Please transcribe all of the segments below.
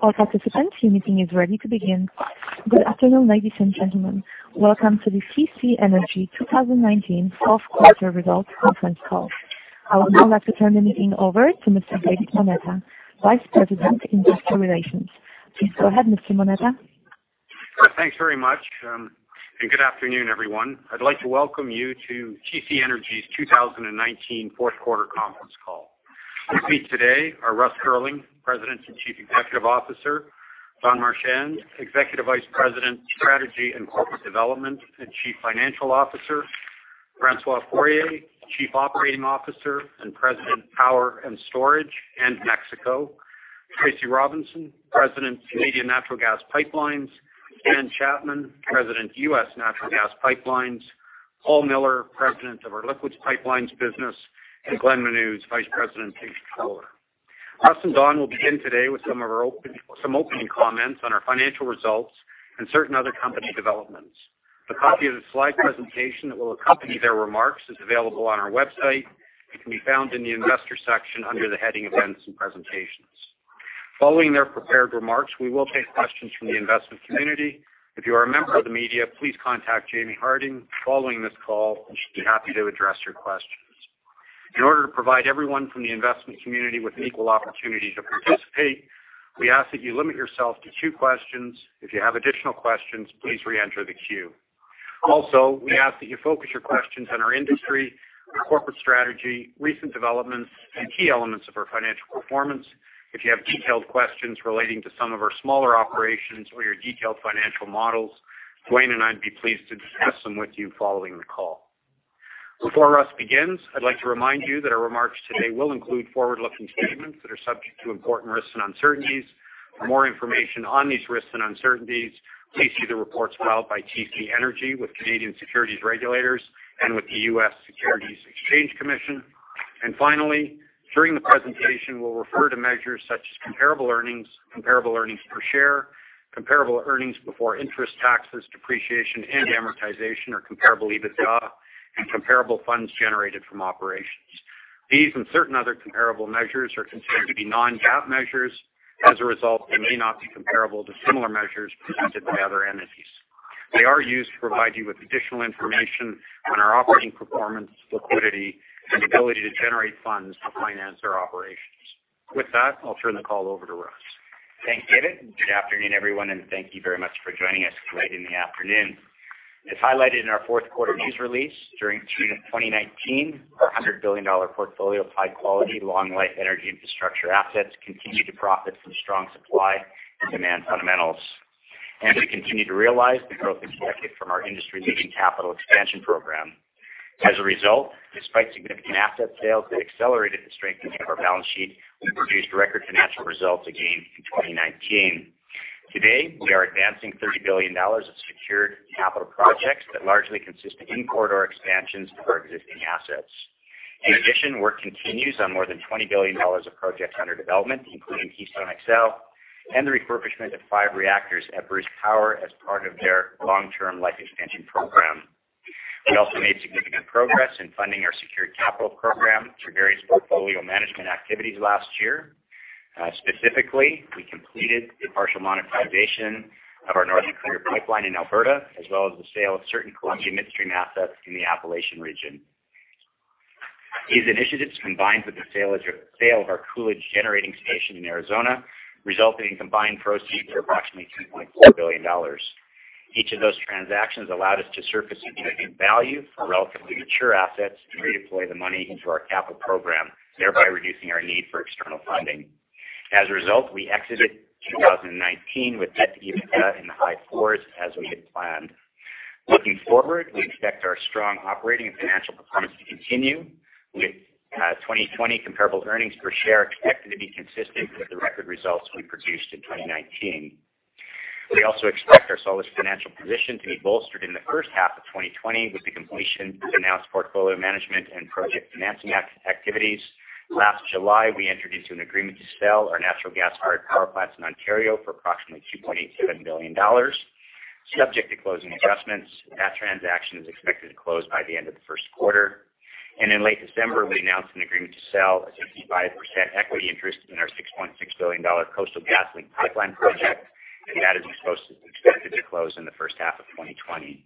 All participants, your meeting is ready to begin. Good afternoon, ladies and gentlemen. Welcome to the TC Energy 2019 fourth quarter results conference call. I would now like to turn the meeting over to Mr. David Moneta, Vice President of Investor Relations. Please go ahead, Mr. Moneta. Thanks very much. Good afternoon, everyone. I'd like to welcome you to TC Energy's 2019 fourth quarter conference call. With me today are Russ Girling, President and Chief Executive Officer. Don Marchand, Executive Vice President, Strategy and Corporate Development, and Chief Financial Officer. François Poirier, Chief Operating Officer and President, Power and Storage and Mexico. Tracy Robinson, President, Canadian Natural Gas Pipelines. Stan Chapman, President, U.S. Natural Gas Pipelines. Paul Miller, President of our Liquids Pipelines business, and Glenn Menuz, Vice President and Controller. Russ and Don will begin today with some opening comments on our financial results and certain other company developments. The copy of the slide presentation that will accompany their remarks is available on our website. It can be found in the investor section under the heading Events and Presentations. Following their prepared remarks, we will take questions from the investment community. If you are a member of the media, please contact Jaimie Harding following this call, and she'd be happy to address your questions. In order to provide everyone from the investment community with an equal opportunity to participate, we ask that you limit yourself to two questions. If you have additional questions, please re-enter the queue. We ask that you focus your questions on our industry, our corporate strategy, recent developments, and key elements of our financial performance. If you have detailed questions relating to some of our smaller operations or your detailed financial models, Don and I'd be pleased to discuss them with you following the call. Before Russ begins, I'd like to remind you that our remarks today will include forward-looking statements that are subject to important risks and uncertainties. For more information on these risks and uncertainties, please see the reports filed by TC Energy with Canadian securities regulators and with the U.S. Securities and Exchange Commission. Finally, during the presentation, we'll refer to measures such as comparable earnings, comparable earnings per share, comparable earnings before interest, taxes, depreciation, and amortization, or comparable EBITDA, and comparable funds generated from operations. These and certain other comparable measures are considered to be non-GAAP measures. As a result, they may not be comparable to similar measures presented by other entities. They are used to provide you with additional information on our operating performance, liquidity, and ability to generate funds to finance our operations. With that, I'll turn the call over to Russ. Thanks, David, good afternoon, everyone, and thank you very much for joining us late in the afternoon. As highlighted in our fourth quarter news release, during 2019, our 100 billion dollar portfolio of high-quality, long-life energy infrastructure assets continued to profit from strong supply and demand fundamentals. We continue to realize the growth in cash flow from our industry-leading capital expansion program. As a result, despite significant asset sales that accelerated the strengthening of our balance sheet, we produced record financial results again in 2019. Today, we are advancing 30 billion dollars of secured capital projects that largely consist of in-corridor expansions of our existing assets. In addition, work continues on more than 20 billion dollars of projects under development, including KXL and the refurbishment of five reactors at Bruce Power as part of their long-term life expansion program. We also made significant progress in funding our secured capital program through various portfolio management activities last year. Specifically, we completed the partial monetization of our Northern Courier pipeline in Alberta, as well as the sale of certain Columbia Midstream assets in the Appalachian region. These initiatives, combined with the sale of our Coolidge Generating Station in Arizona, resulted in combined proceeds of approximately 3.4 billion dollars. Each of those transactions allowed us to surface significant value for relatively mature assets and redeploy the money into our capital program, thereby reducing our need for external funding. As a result, we exited 2019 with debt-to-EBITDA in the high fours as we had planned. Looking forward, we expect our strong operating and financial performance to continue with 2020 comparable earnings per share expected to be consistent with the record results we produced in 2019. We also expect our solid financial position to be bolstered in the first half of 2020 with the completion of announced portfolio management and project financing activities. Last July, we entered into an agreement to sell our natural gas-fired power plants in Ontario for approximately 2.87 billion dollars, subject to closing adjustments. That transaction is expected to close by the end of the first quarter. In late December, we announced an agreement to sell a 65% equity interest in our 6.6 billion dollar Coastal GasLink pipeline project, and that is expected to close in the first half of 2020.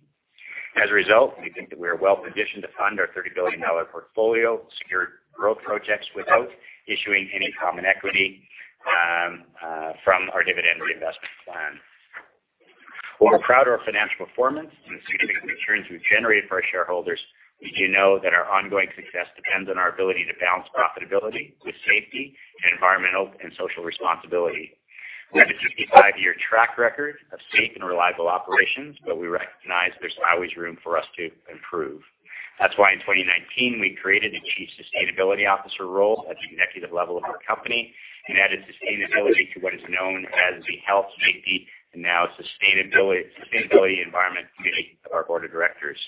As a result, we think that we are well-positioned to fund our 30 billion dollar portfolio secured growth projects without issuing any common equity from our dividend reinvestment plan. While we're proud of our financial performance and the significant returns we've generated for our shareholders, we do know that our ongoing success depends on our ability to balance profitability with safety and environmental and social responsibility. We have a 55-year track record of safe and reliable operations, we recognize there's always room for us to improve. That's why in 2019, we created a Chief Sustainability Officer role at the executive level of our company and added sustainability to what is known as the Health, Safety, and now Sustainability Environment Committee of our board of directors.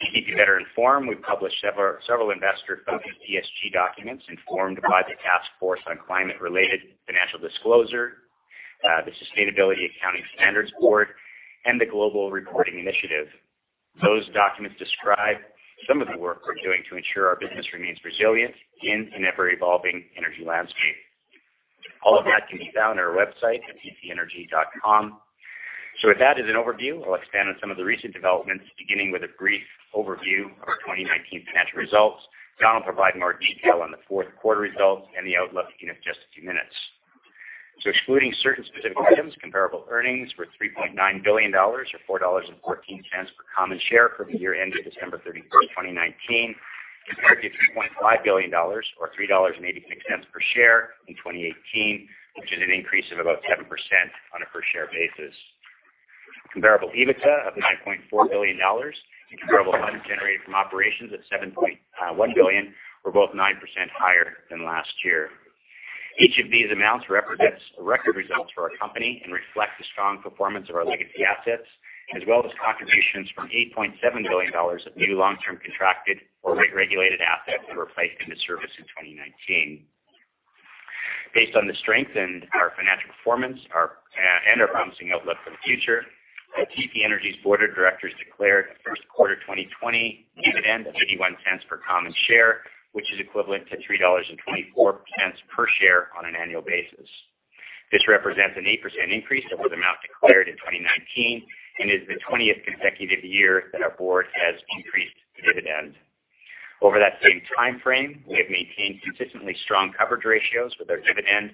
To keep you better informed, we've published several investor-focused ESG documents informed by the Task Force on Climate-related Financial Disclosure, the Sustainability Accounting Standards Board, and the Global Reporting Initiative. Those documents describe some of the work we're doing to ensure our business remains resilient in an ever-evolving energy landscape. All of that can be found on our website at tcenergy.com. With that as an overview, I'll expand on some of the recent developments, beginning with a brief overview of our 2019 financial results. I'll provide more detail on the fourth quarter results and the outlook in just a few minutes. Excluding certain specific items, comparable earnings were 3.9 billion dollars, or 4.14 dollars per common share for the year ended December 31st, 2019, compared to 3.5 billion dollars or 3.86 dollars per share in 2018, which is an increase of about 7% on a per-share basis. Comparable EBITDA of 9.4 billion dollars and comparable funds generated from operations of 7.1 billion were both 9% higher than last year. Each of these amounts represents record results for our company and reflects the strong performance of our legacy assets as well as contributions from 8.7 billion dollars of new long-term contracted or rate-regulated assets that were placed into service in 2019. Based on the strength in our financial performance and our promising outlook for the future, TC Energy's board of directors declared a first quarter 2020 dividend of 0.81 per common share, which is equivalent to 3.24 dollars per share on an annual basis. This represents an 8% increase over the amount declared in 2019 and is the 20th consecutive year that our board has increased the dividend. Over that same timeframe, we have maintained consistently strong coverage ratios with our dividend,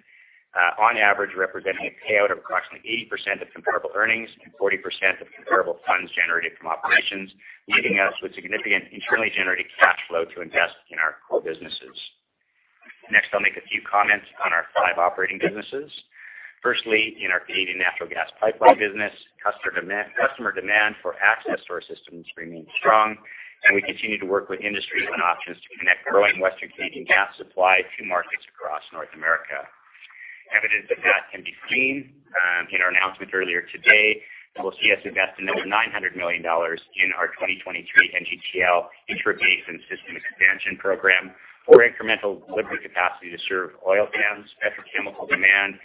on average representing a payout of approximately 80% of comparable earnings and 40% of comparable funds generated from operations, leaving us with significant internally generated cash flow to invest in our core businesses. Next, I'll make a few comments on our five operating businesses. Firstly, in our Canadian natural gas pipeline business, customer demand for access to our systems remains strong, and we continue to work with industry on options to connect growing Western Canadian gas supply to markets across North America. Evidence of that can be seen in our announcement earlier today that will see us invest another 900 million dollars in our 2023 NGTL Intra-Basin System Expansion Program for incremental delivery capacity to serve oil sands, petrochemical demand,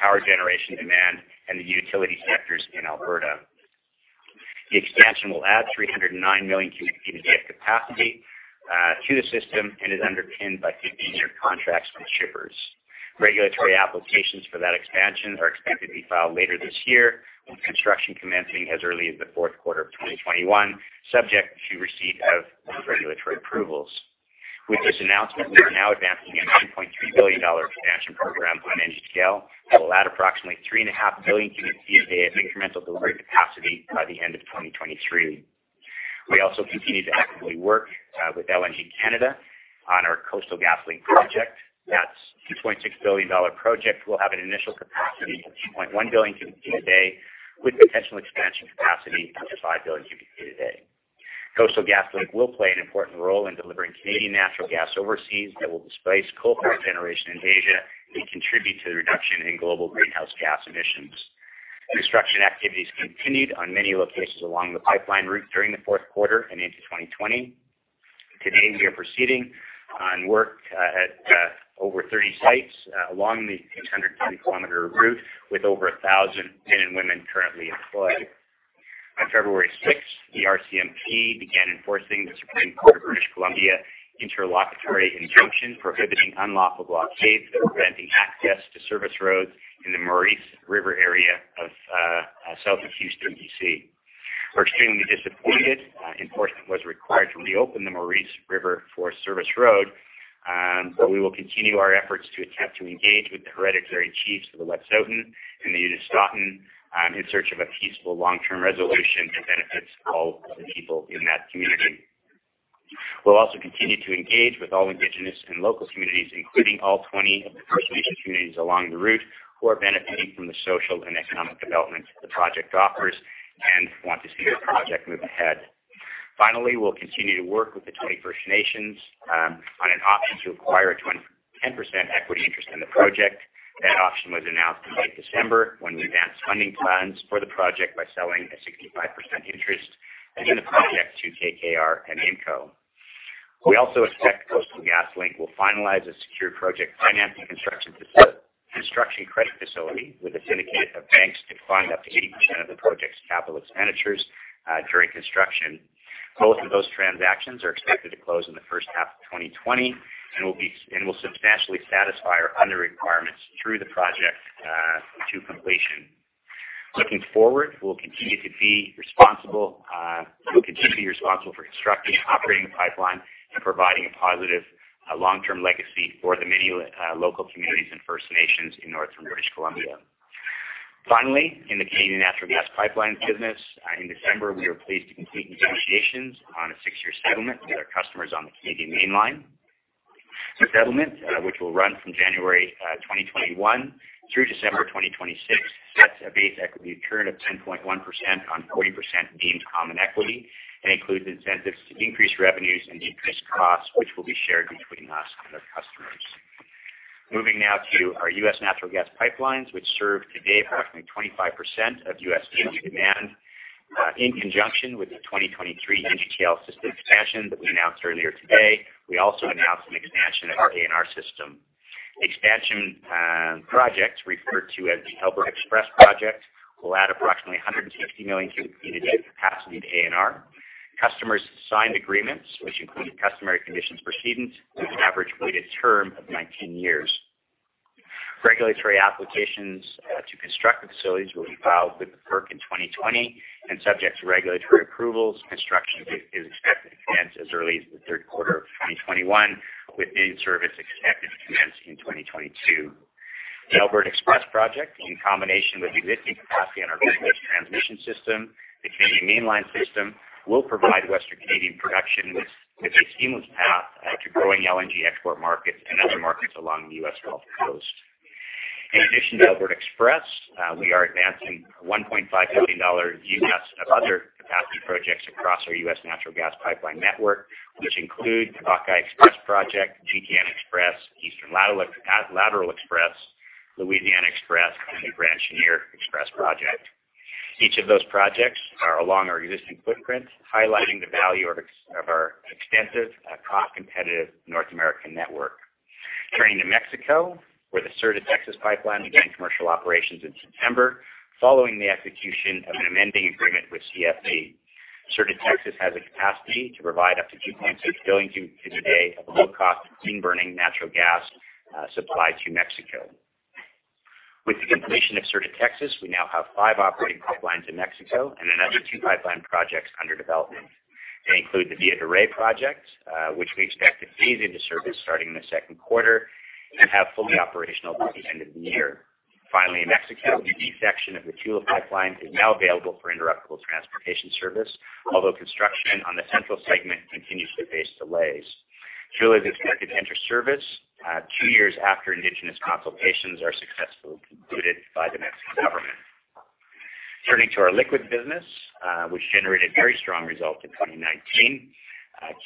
power generation demand, and the utility sectors in Alberta. The expansion will add 309 million cubic feet of gas capacity to the system and is underpinned by 15-year contracts from shippers. Regulatory applications for that expansion are expected to be filed later this year, with construction commencing as early as the fourth quarter of 2021, subject to receipt of regulatory approvals. With this announcement, we are now advancing a 2.3 billion dollar expansion program on NGTL that will add approximately three and a half billion cubic feet a day of incremental delivery capacity by the end of 2023. We also continue to actively work with LNG Canada on our Coastal GasLink project. That 6.6 billion dollar project will have an initial capacity of 2.1 billion cubic feet a day with potential expansion capacity up to 5 billion cubic feet a day. Coastal GasLink will play an important role in delivering Canadian natural gas overseas that will displace coal-fired generation in Asia and contribute to the reduction in global greenhouse gas emissions. Construction activities continued on many locations along the pipeline route during the fourth quarter and into 2020. To date, we are proceeding on work at over 30 sites along the 670 km route, with over 1,000 men and women currently employed. On February 6th, the RCMP began enforcing the Supreme Court of British Columbia interlocutory injunction prohibiting unlawful blockades that were preventing access to service roads in the Morice River area of southwest Houston, B.C. We're extremely disappointed enforcement was required to reopen the Morice River forest service road. We will continue our efforts to attempt to engage with the hereditary chiefs of the Wet'suwet'en and the Unist'ot'en in search of a peaceful, long-term resolution that benefits all of the people in that community. We'll also continue to engage with all indigenous and local communities, including all 20 of the First Nations communities along the route who are benefiting from the social and economic development the project offers and want to see the project move ahead. Finally, we'll continue to work with the 20 First Nations on an option to acquire a 10% equity interest in the project. That option was announced in late December when we advanced funding plans for the project by selling a 65% interest in the project to KKR and AIMCo. We also expect Coastal GasLink will finalize a secure project financing construction credit facility with a syndicate of banks to fund up to 80% of the project's capital expenditures during construction. Both of those transactions are expected to close in the first half of 2020 and will substantially satisfy our requirements through the project to completion. Looking forward, we'll continue to be responsible for constructing and operating the pipeline and providing a positive long-term legacy for the many local communities and First Nations in northern British Columbia. Finally, in the Canadian Natural Gas Pipelines business, in December, we were pleased to complete negotiations on a six-year settlement with our customers on the Canadian Mainline. The settlement, which will run from January 2021 through December 2026, sets a base equity return of 10.1% on 40% deemed common equity and includes incentives to increase revenues and decrease costs, which will be shared between us and our customers. Moving now to our U.S. natural gas pipelines, which serve today approximately 25% of U.S. daily demand. In conjunction with the 2023 NGTL System expansion that we announced earlier today, we also announced an expansion of our ANR system expansion project referred to as the Alberta XPress project will add approximately 160 million cubic feet a day of capacity to ANR. Customers signed agreements, which included customary conditions precedent with an average weighted term of 19 years. Regulatory applications to construct the facilities will be filed with FERC in 2020, and subject to regulatory approvals, construction is expected to commence as early as the third quarter of 2021, with in-service expected to commence in 2022. The Alberta XPress project, in combination with existing capacity on our existing transmission system, the Canadian Mainline system, will provide Western Canadian production with a seamless path to growing LNG export markets and other markets along the U.S. Gulf Coast. In addition to Alberta XPress, we are advancing a $1.5 billion of other capacity projects across our U.S. natural gas pipeline network, which include the Buckeye XPress project, GTN XPress, East Lateral XPress, Louisiana XPress, and the Grand Chenier XPress project. Each of those projects are along our existing footprint, highlighting the value of our extensive cost-competitive North American network. Turning to Mexico, where the Sur de Texas pipeline began commercial operations in September following the execution of an amending agreement with CFE. Sur de Texas has the capacity to provide up to 2.6 billion cubic feet a day of low-cost, clean-burning natural gas supply to Mexico. With the completion of Sur de Texas, we now have five operating pipelines in Mexico and another two pipeline projects under development. They include the Villa de Reyes project, which we expect to phase into service starting in the second quarter and have fully operational by the end of the year. Finally, in Mexico, the section of the Tula pipeline is now available for interruptible transportation service, although construction on the central segment continues to face delays. Tula is expected to enter service two years after indigenous consultations are successfully concluded by the Mexican government. Turning to our liquids business, which generated very strong results in 2019.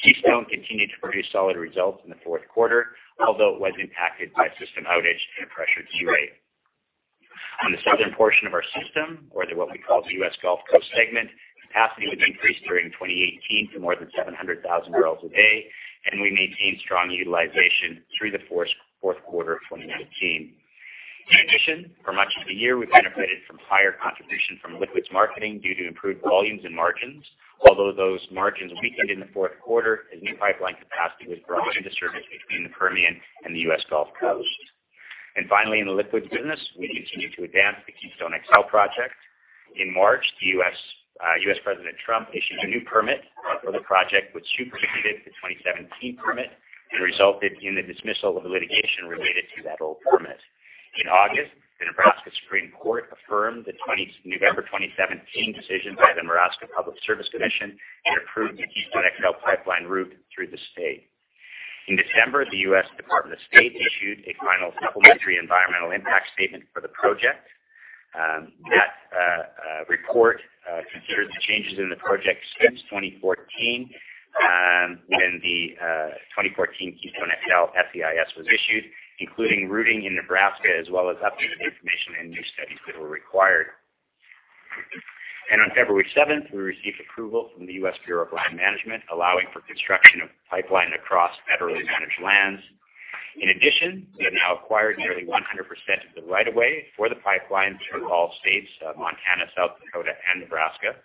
Keystone continued to produce solid results in the fourth quarter, although it was impacted by a system outage and a pressured queue rate. On the southern portion of our system or the what we call the U.S. Gulf Coast segment, capacity was increased during 2018 to more than 700,000 barrels a day, we maintained strong utilization through the fourth quarter of 2019. In addition, for much of the year, we benefited from higher contribution from liquids marketing due to improved volumes and margins. Those margins weakened in the fourth quarter as new pipeline capacity was brought into service between the Permian and the U.S. Gulf Coast. Finally, in the liquids business, we continue to advance the Keystone XL project. In March, the U.S. President Trump issued a new permit for the project, which superseded the 2017 permit and resulted in the dismissal of the litigation related to that old permit. In August, the Nebraska Supreme Court affirmed the November 2017 decision by the Nebraska Public Service Commission and approved the Keystone XL Pipeline route through the state. In December, the U.S. Department of State issued a final supplementary environmental impact statement for the project. That report considered the changes in the project since 2014, when the 2014 Keystone XL SEIS was issued, including routing in Nebraska, as well as updated information and new studies that were required. On February 7th, we received approval from the U.S. Bureau of Land Management, allowing for construction of pipeline across federally managed lands. We have now acquired nearly 100% of the right of way for the pipeline through all states, Montana, South Dakota, and Nebraska.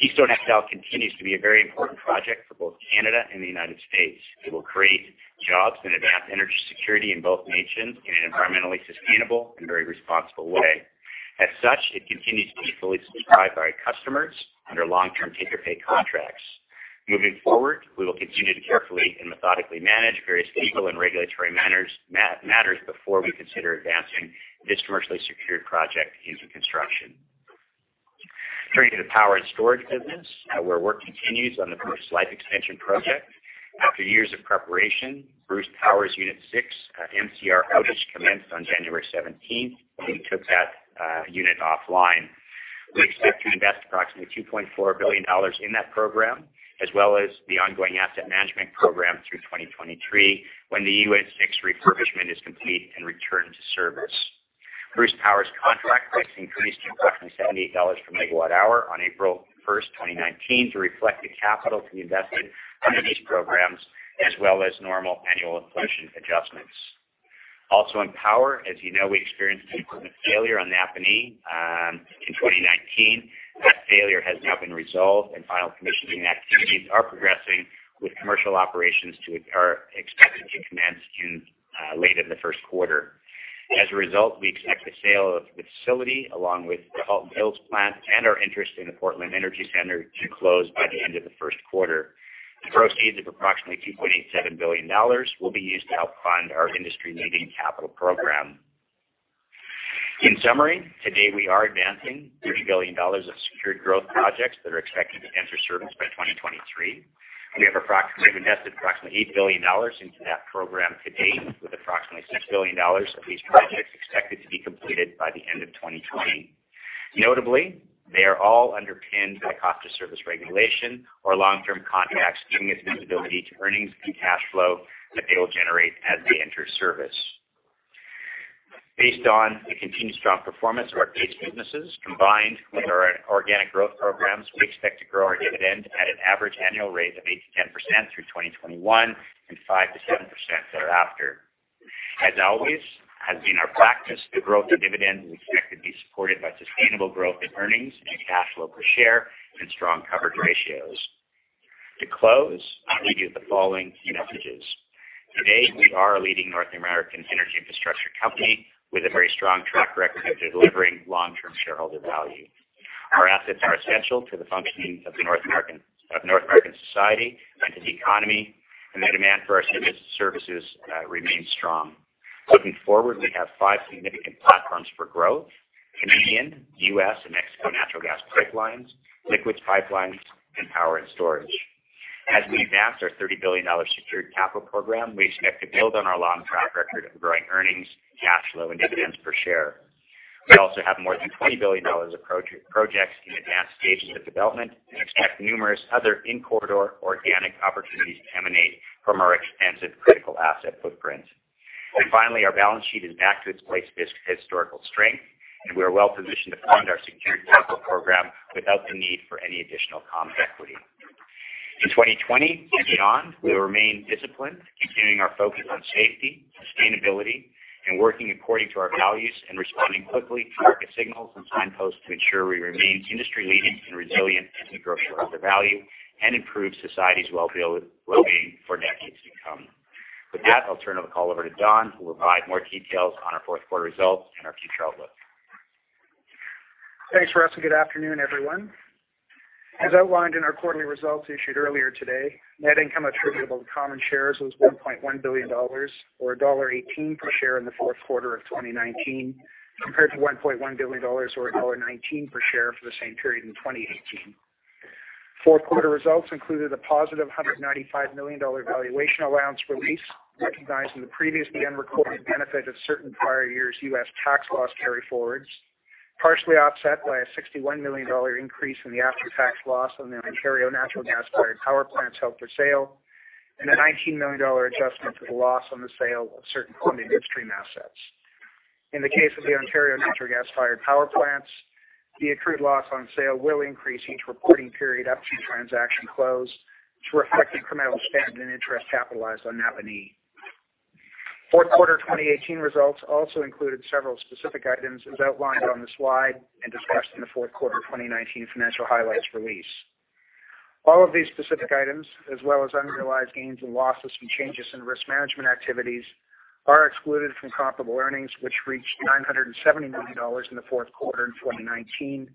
Keystone XL continues to be a very important project for both Canada and the United States. It will create jobs and advance energy security in both nations in an environmentally sustainable and very responsible way. It continues to be fully subscribed by customers under long-term take-or-pay contracts. We will continue to carefully and methodically manage various legal and regulatory matters before we consider advancing this commercially secured project into construction. Work continues on the Bruce life extension project. After years of preparation, Bruce Power's Unit 6 MCR outage commenced on January 17th, when we took that unit offline. We expect to invest approximately 2.4 billion dollars in that program, as well as the ongoing asset management program through 2023, when the Unit 6 refurbishment is complete and returned to service. Bruce Power's contract price increased to approximately 78 dollars per MW hour on April 1, 2019, to reflect the capital to be invested under these programs, as well as normal annual inflation adjustments. Also in power, as you know, we experienced an equipment failure on Napanee in 2019. That failure has now been resolved, and final commissioning activities are progressing with commercial operations are expected to commence late in the first quarter. As a result, we expect the sale of the facility, along with the Halton Hills plant and our interest in the Portland Energy Centre, to close by the end of the first quarter. The proceeds of approximately 2.87 billion dollars will be used to help fund our industry-leading capital program. In summary, today we are advancing 30 billion dollars of secured growth projects that are expected to enter service by 2023. We have invested approximately 8 billion dollars into that program to date, with approximately 6 billion dollars of these projects expected to be completed by the end of 2020. Notably, they are all underpinned by cost of service regulation or long-term contracts, giving us visibility to earnings and cash flow that they will generate as they enter service. Based on the continued strong performance of our base businesses, combined with our organic growth programs, we expect to grow our dividend at an average annual rate of 8%-10% through 2021 and 5%-7% thereafter. As always, has been our practice, the growth in dividends is expected to be supported by sustainable growth in earnings and cash flow per share and strong coverage ratios. To close, I'll leave you with the following key messages. Today, we are a leading North American energy infrastructure company with a very strong track record of delivering long-term shareholder value. Our assets are essential to the functioning of North American society and to the economy, and the demand for our goods and services remains strong. Looking forward, we have five significant platforms for growth: Canadian, U.S., and Mexico natural gas pipelines, liquids pipelines, and power and storage. As we advance our 30 billion dollar secured capital program, we expect to build on our long track record of growing earnings, cash flow, and dividends per share. We also have more than 20 billion dollars of projects in advanced stages of development and expect numerous other in-corridor organic opportunities to emanate from our expansive critical asset footprint. Finally, our balance sheet is back to its historical strength, and we are well-positioned to fund our secured capital program without the need for any additional common equity. In 2020 and beyond, we will remain disciplined, continuing our focus on safety, sustainability, and working according to our values and responding quickly to market signals and signposts to ensure we remain industry leading and resilient as we grow shareholder value and improve society's wellbeing for decades to come. With that, I'll turn the call over to Don, who will provide more details on our fourth quarter results and our future outlook. Thanks, Russ, and good afternoon, everyone. As outlined in our quarterly results issued earlier today, net income attributable to common shares was 1.1 billion dollars, or dollar 1.18 per share in the fourth quarter of 2019, compared to 1.1 billion dollars or dollar 1.19 per share for the same period in 2018. Fourth quarter results included a positive 195 million dollar valuation allowance release, recognizing the previously unrecorded benefit of certain prior years' U.S. tax loss carryforwards, partially offset by a 61 million dollar increase in the after-tax loss on the Ontario natural gas-fired power plants held for sale, and a 19 million dollar adjustment to the loss on the sale of certain Columbia Midstream assets. In the case of the Ontario natural gas-fired power plants, the accrued loss on sale will increase each reporting period up to transaction close to reflect incremental standard and interest capitalized on Napanee. Fourth quarter 2018 results also included several specific items as outlined on the slide and discussed in the fourth quarter 2019 financial highlights release. All of these specific items, as well as unrealized gains and losses from changes in risk management activities, are excluded from comparable earnings, which reached 970 million dollars in the fourth quarter in 2019,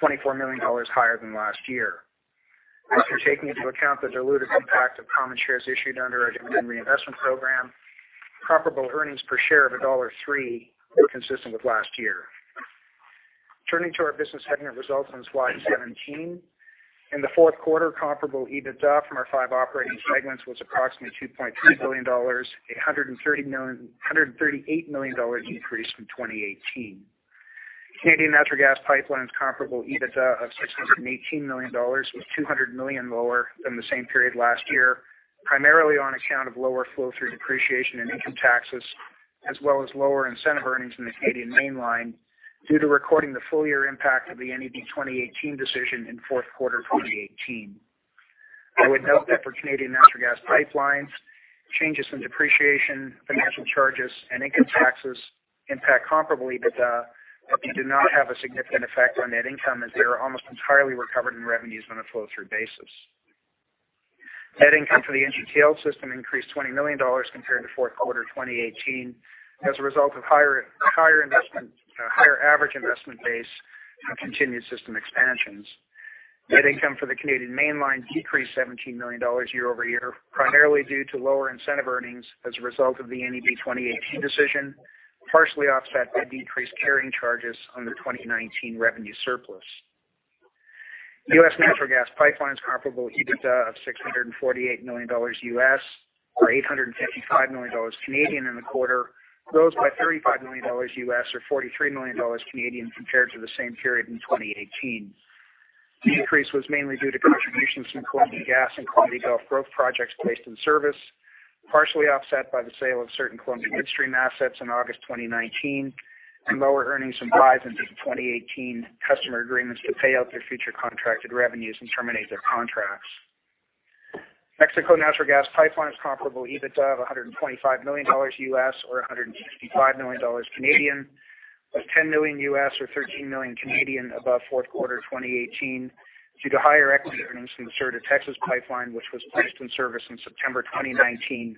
24 million dollars higher than last year. After taking into account the dilutive impact of common shares issued under our dividend reinvestment program, comparable earnings per share of dollar 1.03 were consistent with last year. Turning to our business segment results on Slide 17. In the fourth quarter, comparable EBITDA from our five operating segments was approximately 2.3 billion dollars, 138 million increase from 2018. Canadian Natural Gas Pipelines comparable EBITDA of 618 million dollars was 200 million lower than the same period last year, primarily on account of lower flow-through depreciation in income taxes, as well as lower incentive earnings in the Canadian Mainline due to recording the full year impact of the NEB 2018 decision in fourth quarter 2018. I would note that for Canadian Natural Gas Pipelines, changes in depreciation, financial charges, and income taxes impact comparably, but they do not have a significant effect on net income as they are almost entirely recovered in revenues on a flow-through basis. Net income for the NGTL system increased 20 million dollars compared to fourth quarter 2018 as a result of higher average investment base and continued system expansions. Net income for the Canadian Mainline decreased 17 million dollars year-over-year, primarily due to lower incentive earnings as a result of the NEB 2018 decision, partially offset by decreased carrying charges on the 2019 revenue surplus. US Natural Gas Pipelines comparable EBITDA of $648 million or 855 million Canadian dollars in the quarter rose by $35 million or 43 million Canadian dollars compared to the same period in 2018. The increase was mainly due to contributions from Columbia Gas and Columbia Gulf growth projects placed in service, partially offset by the sale of certain Columbia Midstream assets in August 2019, and lower earnings from buyers under 2018 customer agreements to pay out their future contracted revenues and terminate their contracts. Mexico Natural Gas Pipelines comparable EBITDA of $125 million or 165 million Canadian dollars, was $10 million or 13 million Canadian dollars above fourth quarter 2018 due to higher equity earnings from the Sur de Texas pipeline, which was placed in service in September 2019,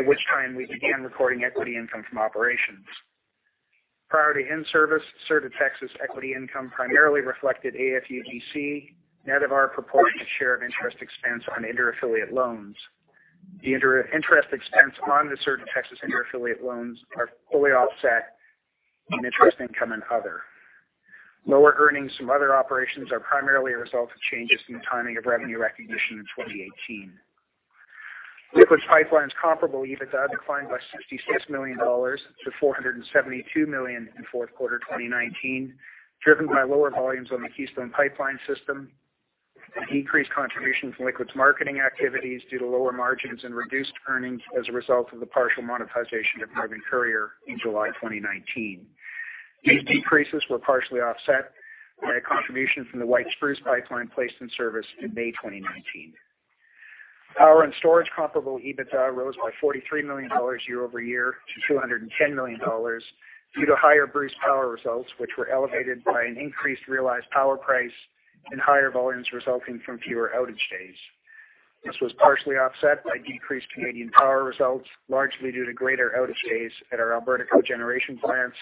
at which time we began recording equity income from operations. Prior to in-service, Sur de Texas equity income primarily reflected AFUDC, net of our proportionate share of interest expense on interaffiliate loans. The interest expense on the Sur de Texas interaffiliate loans are fully offset in interest income and other. Lower earnings from other operations are primarily a result of changes in the timing of revenue recognition in 2018. Liquids Pipelines comparable EBITDA declined by 66 million dollars to 472 million in fourth quarter 2019, driven by lower volumes on the Keystone Pipeline System. Increased contribution from liquids marketing activities due to lower margins and reduced earnings as a result of the partial monetization of Northern Courier in July 2019. These decreases were partially offset by a contribution from the White Spruce Pipeline placed in service in May 2019. Power and Storage comparable EBITDA rose by 43 million dollars year-over-year to 210 million dollars due to higher Bruce Power results, which were elevated by an increased realized power price and higher volumes resulting from fewer outage days. This was partially offset by decreased Canadian Power results, largely due to greater outage days at our Alberta cogeneration plants,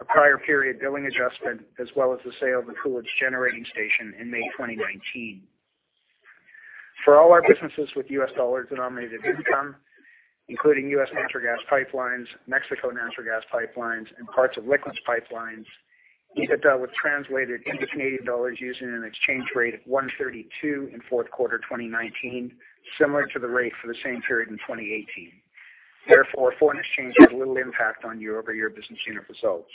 a prior period billing adjustment, as well as the sale of the Coolidge Generating Station in May 2019. For all our businesses with U.S. dollar-denominated income, including U.S. natural gas pipelines, Mexico natural gas pipelines, and parts of liquids pipelines, EBITDA was translated into Canadian dollars using an exchange rate of 132 in fourth quarter 2019, similar to the rate for the same period in 2018. Therefore, foreign exchange had little impact on year-over-year business unit results.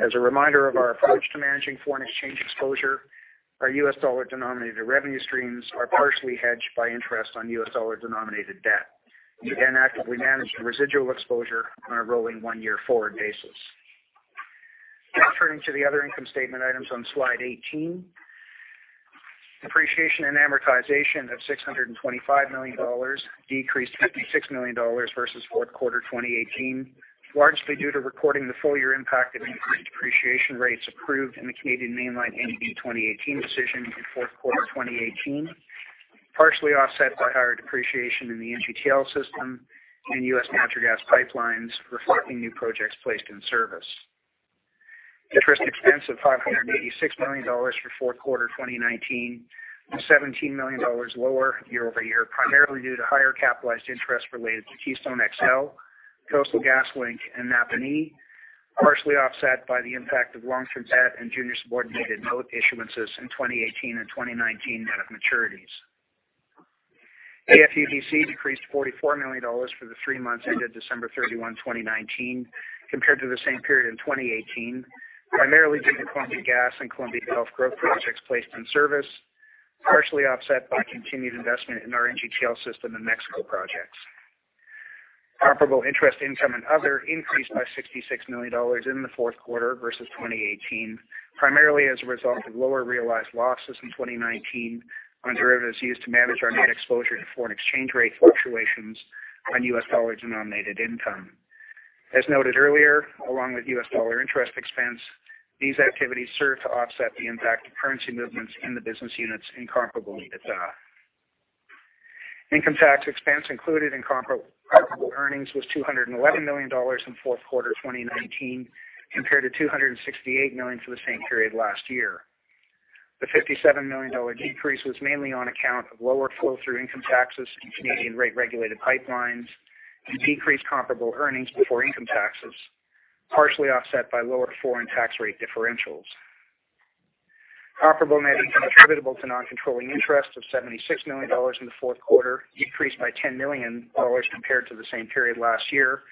As a reminder of our approach to managing foreign exchange exposure, our U.S. dollar-denominated revenue streams are partially hedged by interest on U.S. dollar-denominated debt. We then actively manage the residual exposure on a rolling one-year forward basis. Now turning to the other income statement items on slide 18. Depreciation and amortization of 625 million dollars decreased 56 million dollars versus fourth quarter 2018, largely due to recording the full-year impact of increased depreciation rates approved in the Canadian Mainline NEB 2018 decision in fourth quarter 2018, partially offset by higher depreciation in the NGTL System and U.S. natural gas pipelines reflecting new projects placed in service. Interest expense of 586 million dollars for fourth quarter 2019, was 17 million dollars lower year-over-year, primarily due to higher capitalized interest related to Keystone XL, Coastal GasLink, and Napanee, partially offset by the impact of long-term debt and junior subordinated note issuances in 2018 and 2019 that have maturities. AFUDC decreased 44 million dollars for the three months ended December 31, 2019, compared to the same period in 2018, primarily due to Columbia Gas and Columbia Gulf growth projects placed in service, partially offset by continued investment in our NGTL System and Mexico projects. Comparable interest income and other increased by 66 million dollars in the fourth quarter versus 2018, primarily as a result of lower realized losses in 2019 on derivatives used to manage our net exposure to foreign exchange rate fluctuations on U.S. dollar-denominated income. As noted earlier, along with U.S. dollar interest expense, these activities serve to offset the impact of currency movements in the business units in comparable EBITDA. Income tax expense included in comparable earnings was 211 million dollars in fourth quarter 2019, compared to 268 million for the same period last year. The 57 million dollar decrease was mainly on account of lower flow-through income taxes in Canadian Rate Regulated Pipelines and decreased comparable earnings before income taxes, partially offset by lower foreign tax rate differentials. Comparable net income attributable to non-controlling interest of 76 million dollars in the fourth quarter decreased by 10 million dollars compared to the same period last year,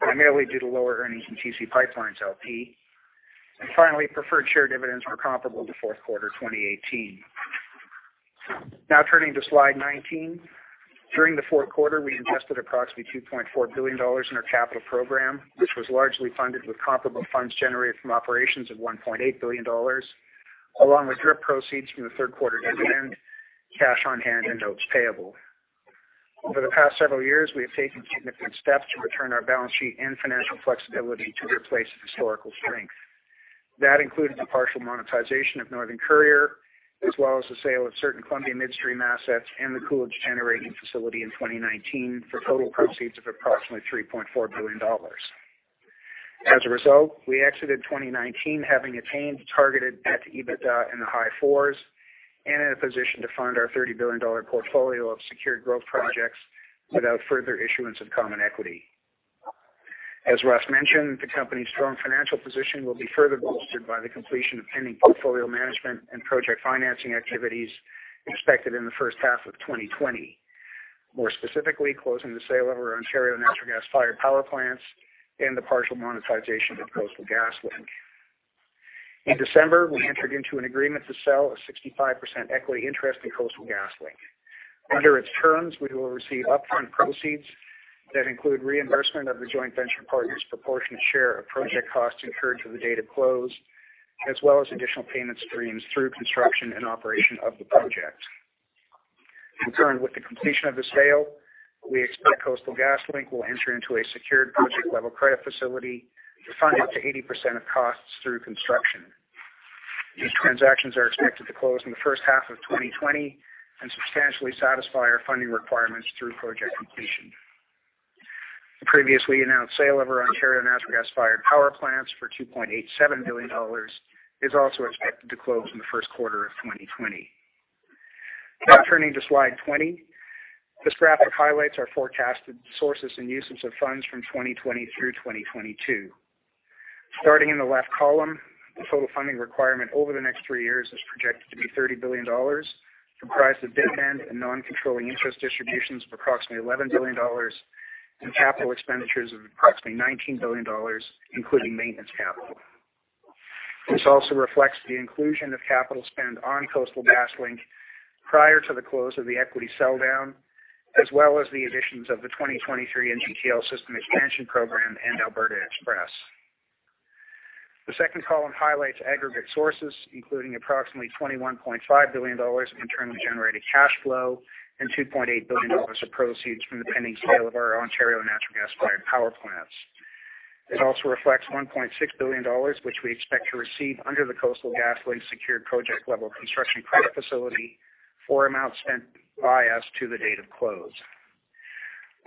primarily due to lower earnings in TC PipeLines, LP. Finally, preferred share dividends were comparable to fourth quarter 2018. Now turning to slide 19. During the fourth quarter, we invested approximately 2.4 billion dollars in our capital program, which was largely funded with comparable funds generated from operations of 1.8 billion dollars, along with DRIP proceeds from the third quarter dividend, cash on hand, and notes payable. Over the past several years, we have taken significant steps to return our balance sheet and financial flexibility to their place of historical strength. That included the partial monetization of Northern Courier, as well as the sale of certain Columbia Midstream assets and the Coolidge Generating Station in 2019 for total proceeds of approximately 3.4 billion dollars. As a result, we exited 2019 having attained the targeted net-to-EBITDA in the high fours and in a position to fund our 30 billion dollar portfolio of secured growth projects without further issuance of common equity. As Russ mentioned, the company's strong financial position will be further bolstered by the completion of pending portfolio management and project financing activities expected in the first half of 2020. More specifically, closing the sale of our Ontario natural gas-fired power plants and the partial monetization of Coastal GasLink. In December, we entered into an agreement to sell a 65% equity interest in Coastal GasLink. Under its terms, we will receive upfront proceeds that include reimbursement of the joint venture partner's proportionate share of project costs incurred through the date of close, as well as additional payment streams through construction and operation of the project. Concurrent with the completion of the sale, we expect Coastal GasLink will enter into a secured project-level credit facility to fund up to 80% of costs through construction. These transactions are expected to close in the first half of 2020 and substantially satisfy our funding requirements through project completion. The previously announced sale of our Ontario natural gas-fired power plants for 2.87 billion dollars is also expected to close in the first quarter of 2020. Turning to slide 20. This graphic highlights our forecasted sources and uses of funds from 2020 through 2022. Starting in the left column, the total funding requirement over the next three years is projected to be 30 billion dollars, comprised of dividend and non-controlling interest distributions of approximately 11 billion dollars and capital expenditures of approximately 19 billion dollars, including maintenance capital. This also reflects the inclusion of capital spend on Coastal GasLink prior to the close of the equity sell-down, as well as the additions of the 2023 NGTL System Expansion Program and Alberta XPress. The second column highlights aggregate sources, including approximately 21.5 billion dollars of internally generated cash flow and 2.8 billion dollars of proceeds from the pending sale of our Ontario natural gas-fired power plants. It also reflects 1.6 billion dollars, which we expect to receive under the Coastal GasLink secured project-level construction credit facility for amounts spent by us to the date of close.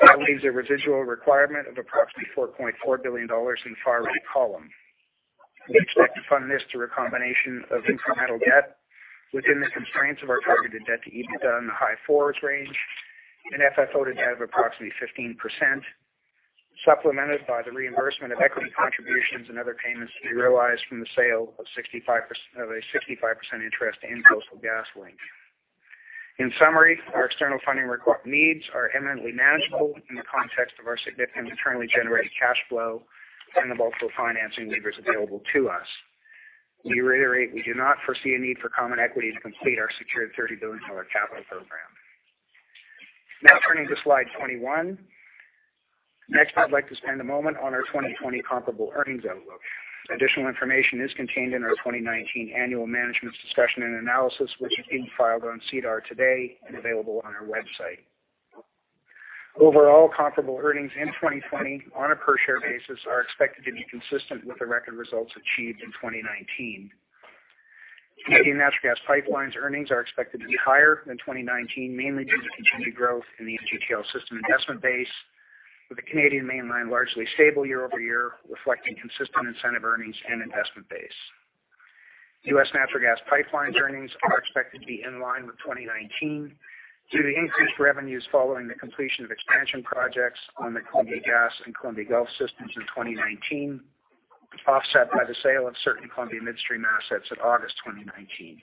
That leaves a residual requirement of approximately 4.4 billion dollars in the far-right column. We expect to fund this through a combination of incremental debt within the constraints of our targeted debt-to-EBITDA in the high fours range, an FFO to debt of approximately 15%, supplemented by the reimbursement of equity contributions and other payments to be realized from the sale of a 65% interest in Coastal GasLink. In summary, our external funding needs are eminently manageable in the context of our significant internally generated cash flow and the multiple financing levers available to us. We reiterate, we do not foresee a need for common equity to complete our secured 30 billion dollar capital program. Turning to slide 21. I'd like to spend a moment on our 2020 comparable earnings outlook. Additional information is contained in our 2019 Annual Management's Discussion and Analysis, which has been filed on SEDAR today and available on our website. Overall, comparable earnings in 2020 on a per-share basis are expected to be consistent with the record results achieved in 2019. Canadian Natural Gas Pipelines earnings are expected to be higher than 2019, mainly due to continued growth in the NGTL System investment base, with the Canadian Mainline largely stable year-over-year, reflecting consistent incentive earnings and investment base. U.S. Natural Gas Pipelines earnings are expected to be in line with 2019 due to increased revenues following the completion of expansion projects on the Columbia Gas and Columbia Gulf systems in 2019, offset by the sale of certain Columbia Midstream assets in August 2019.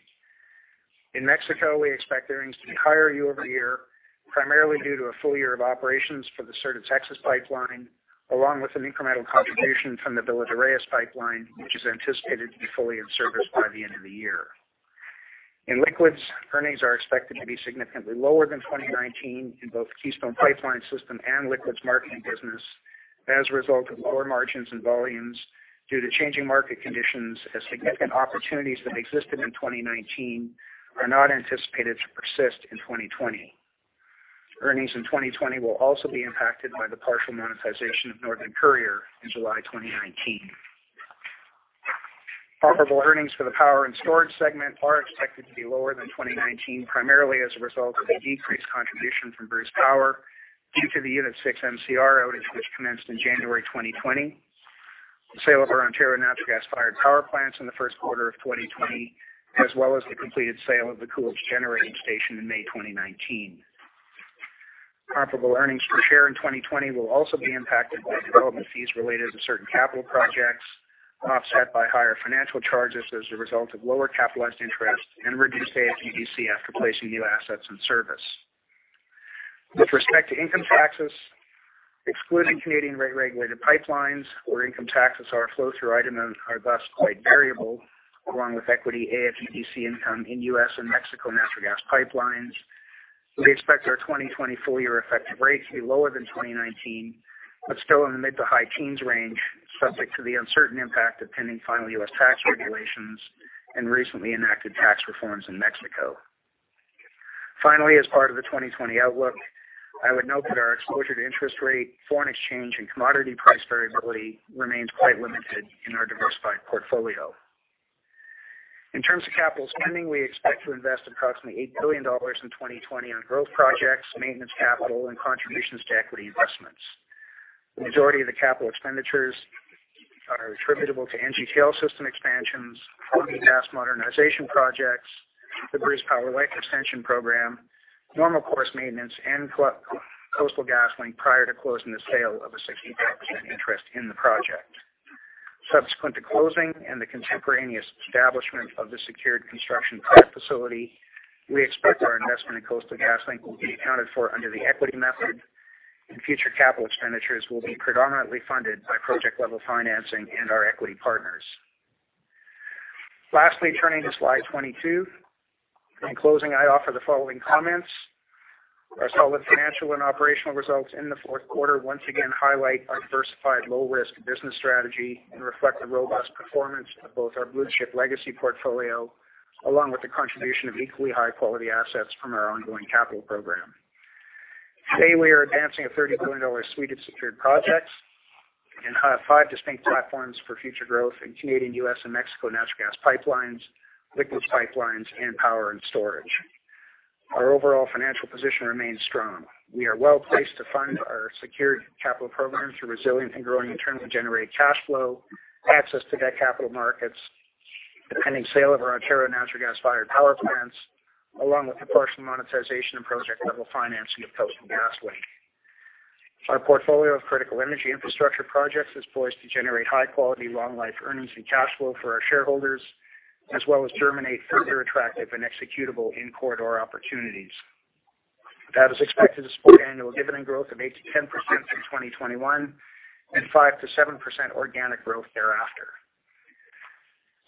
In Mexico, we expect earnings to be higher year-over-year, primarily due to a full year of operations for the Sur de Texas pipeline, along with an incremental contribution from the Villa de Reyes pipeline, which is anticipated to be fully in service by the end of the year. In Liquids, earnings are expected to be significantly lower than 2019 in both the Keystone Pipeline System and Liquids Marketing business as a result of lower margins and volumes due to changing market conditions as significant opportunities that existed in 2019 are not anticipated to persist in 2020. Earnings in 2020 will also be impacted by the partial monetization of Northern Courier in July 2019. Comparable earnings for the Power and Storage segment are expected to be lower than 2019, primarily as a result of a decreased contribution from Bruce Power due to the Unit 6 MCR outage which commenced in January 2020, the sale of our Ontario natural gas-fired power plants in the first quarter of 2020, as well as the completed sale of the Coolidge Generating Station in May 2019. Comparable earnings per share in 2020 will also be impacted by development fees related to certain capital projects, offset by higher financial charges as a result of lower capitalized interest and reduced AFUDC after placing new assets in service. With respect to income taxes, excluding Canadian rate-regulated pipelines, where income taxes are a flow-through item and are thus quite variable, along with equity AFUDC income in U.S. and Mexico natural gas pipelines, we expect our 2020 full-year effective rate to be lower than 2019, but still in the mid-to-high teens range, subject to the uncertain impact of pending final U.S. tax regulations and recently enacted tax reforms in Mexico. As part of the 2020 outlook, I would note that our exposure to interest rate, foreign exchange, and commodity price variability remains quite limited in our diversified portfolio. In terms of capital spending, we expect to invest approximately 8 billion dollars in 2020 on growth projects, maintenance capital, and contributions to equity investments. The majority of the capital expenditures are attributable to NGTL System expansions, Columbia Gas modernization projects, the Bruce Power life extension program, normal course maintenance, and Coastal GasLink prior to closing the sale of a 65% interest in the project. Subsequent to closing and the contemporaneous establishment of the secured construction credit facility, we expect our investment in Coastal GasLink will be accounted for under the equity method, and future capital expenditures will be predominantly funded by project-level financing and our equity partners. Turning to slide 22. In closing, I offer the following comments. Our solid financial and operational results in the fourth quarter once again highlight our diversified low-risk business strategy and reflect the robust performance of both our blue-chip legacy portfolio, along with the contribution of equally high-quality assets from our ongoing capital program. Today, we are advancing a 30 billion dollar suite of secured projects and have five distinct platforms for future growth in Canadian, U.S., and Mexico natural gas pipelines, liquids pipelines, and power and storage. Our overall financial position remains strong. We are well-placed to fund our secured capital programs through resilient and growing internally generated cash flow, access to debt capital markets, the pending sale of our Ontario natural gas-fired power plants, along with the partial monetization and project-level financing of Coastal GasLink. Our portfolio of critical energy infrastructure projects is poised to generate high-quality, long-life earnings and cash flow for our shareholders, as well as germinate further attractive and executable in-corridor opportunities. That is expected to support annual dividend growth of 8%-10% through 2021 and 5%-7% organic growth thereafter.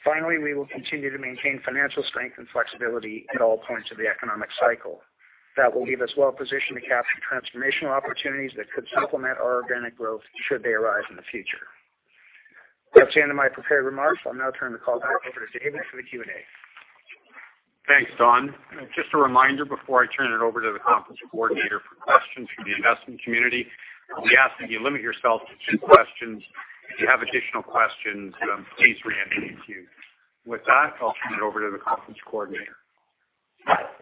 We will continue to maintain financial strength and flexibility at all points of the economic cycle. That will leave us well-positioned to capture transformational opportunities that could supplement our organic growth should they arise in the future. That's the end of my prepared remarks. I'll now turn the call back over to David for the Q&A. Thanks, Don. Just a reminder before I turn it over to the conference coordinator for questions from the investment community. We ask that you limit yourself to two questions. If you have additional questions, please re-enter the queue. With that, I'll turn it over to the conference coordinator. Conference coordinator?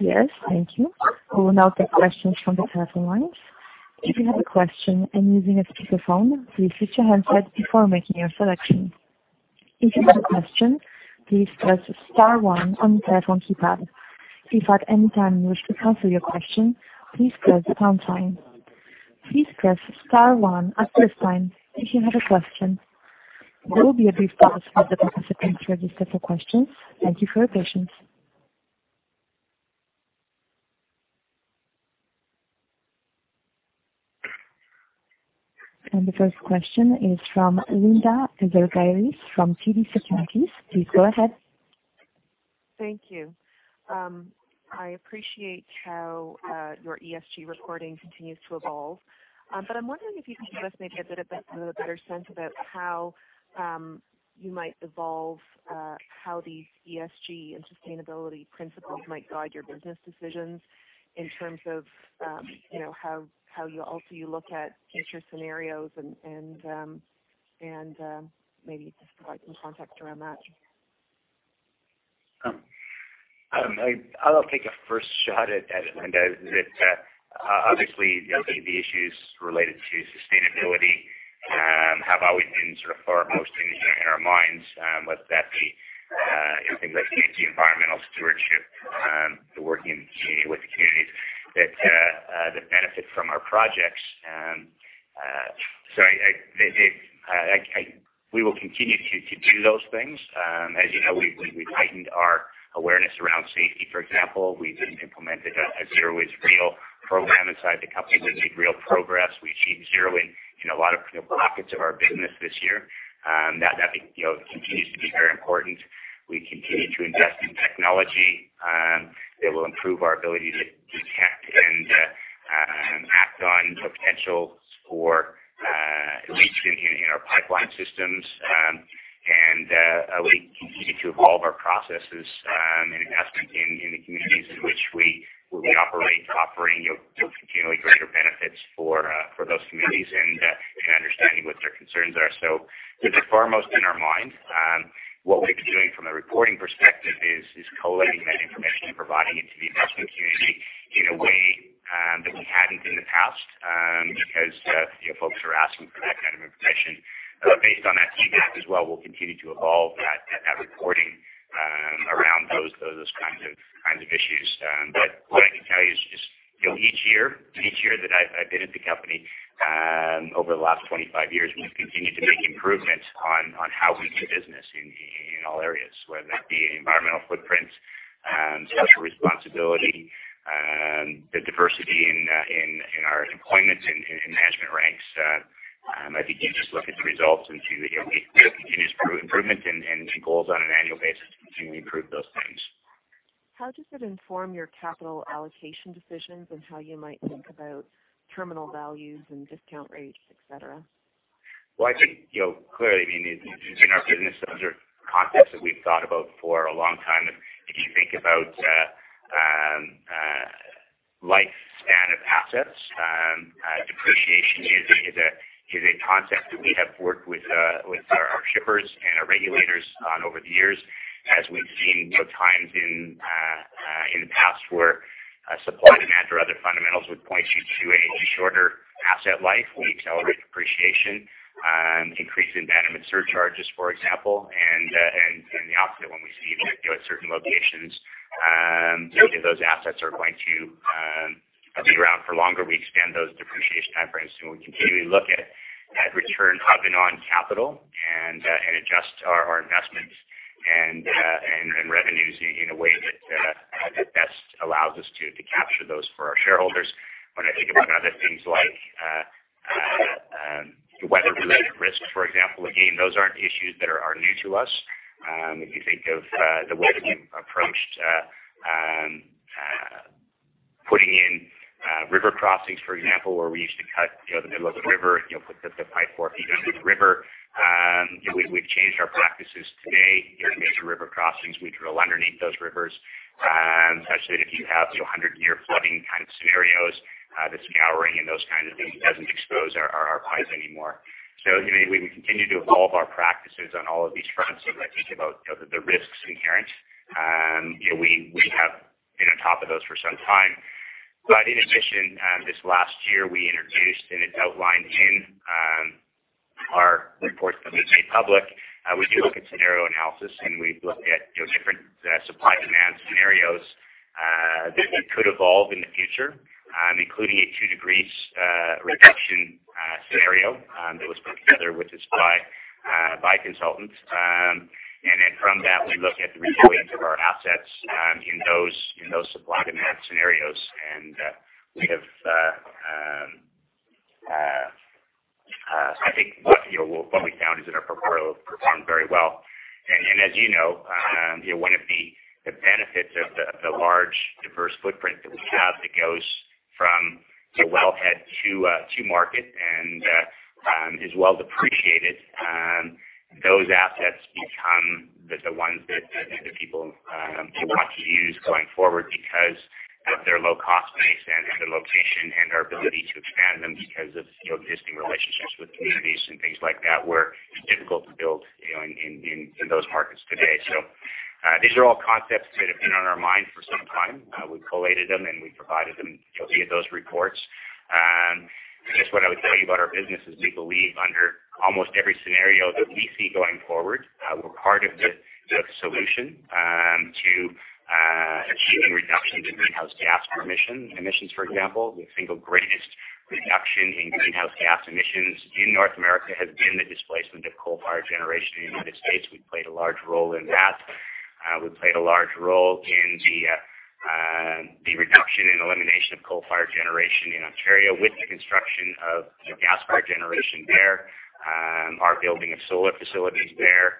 Yes. Thank you. We will now take questions from the telephone lines. If you have a question and using a speakerphone, please mute your handset before making your selection. If you have a question, please press star one on your telephone keypad. If at any time you wish to cancel your question, please press the # sign. Please press star one a first time if you have a question. There will be a brief pause while the participants register for questions. Thank you for your patience. The first question is from Linda Ezergailis from TD Securities. Please go ahead. Thank you. I appreciate how your ESG reporting continues to evolve. I'm wondering if you can give us maybe a bit of a better sense about how you might evolve how these ESG and sustainability principles might guide your business decisions in terms of how you look at future scenarios and maybe just provide some context around that. I'll take a first shot at it, Linda. Obviously, the issues related to sustainability have always been foremost in our minds, whether that be things like safety, environmental stewardship, working with the communities that benefit from our projects. We will continue to do those things. As you know, we've heightened our awareness around safety, for example. We've implemented a zero waste reel program inside the company. We've made real progress. We achieved zero waste in a lot of pockets of our business this year. That continues to be very important. We continue to invest in technology that will improve our ability to detect and act on potentials for leaks in our pipeline systems. We continue to evolve our processes and investment in the communities in which we operate, offering continually greater benefits for those communities and understanding what their concerns are. They're foremost in our mind. What we've been doing from a reporting perspective is collating that information and providing it to the investment community in a way that we hadn't in the past because folks are asking for that kind of information. Based on that feedback as well, we'll continue to evolve that reporting around those kinds of issues. What I can tell you is just each year that I've been at the company over the last 25 years, we've continued to make improvements on how we do business in all areas, whether that be environmental footprint, social responsibility, the diversity in our employment and management ranks. I think you just look at the results and see that we have continuous improvement and goals on an annual basis to continually improve those things. How does it inform your capital allocation decisions and how you might think about terminal values and discount rates, et cetera? I think, clearly in our business, those are concepts that we've thought about for a long time. If you think about lifespan of assets, depreciation is a concept that we have worked with our shippers and our regulators on over the years, as we've seen times in the past where supply and demand or other fundamentals would point you to a shorter asset life. We accelerate depreciation, increase abandonment surcharges, for example, and the opposite when we see that at certain locations, those assets are going to be around for longer. We expand those depreciation timeframes, and we continually look at return on capital and adjust our investments and revenues in a way that best allows us to capture those for our shareholders. When I think about other things like weather-related risks, for example, again, those aren't issues that are new to us. If you think of the way that we've approached putting in river crossings, for example, where we used to cut the middle of the river, put the pipework even in the river. We've changed our practices today. If there's a river crossings, we drill underneath those rivers such that if you have 100-year flooding kind of scenarios, the scouring and those kinds of things doesn't expose our pipes anymore. We continue to evolve our practices on all of these fronts. When I think about the risks inherent, we have been on top of those for some time. In addition, this last year, we introduced, and it's outlined in our reports that we've made public, we do look at scenario analysis, and we've looked at different supply-demand scenarios that could evolve in the future, including a two degrees reduction scenario that was put together with the supply by consultants. From that, we look at the resilience of our assets in those supply demand scenarios. I think what we found is that our portfolio performed very well. As you know, one of the benefits of the large, diverse footprint that we have that goes from wellhead to market and is well appreciated, those assets become the ones that people want to use going forward because of their low-cost base and their location and our ability to expand them because of existing relationships with communities and things like that, where it's difficult to build in those markets today. These are all concepts that have been on our mind for some time. We've collated them, and we provided them via those reports. I guess what I would tell you about our business is we believe under almost every scenario that we see going forward, we're part of the solution to achieving reductions in greenhouse gas emissions. The single greatest reduction in greenhouse gas emissions in North America has been the displacement of coal-fired generation in the U.S. We played a large role in that. We played a large role in the reduction and elimination of coal-fired generation in Ontario with the construction of the gas-fired generation there, our building of solar facilities there,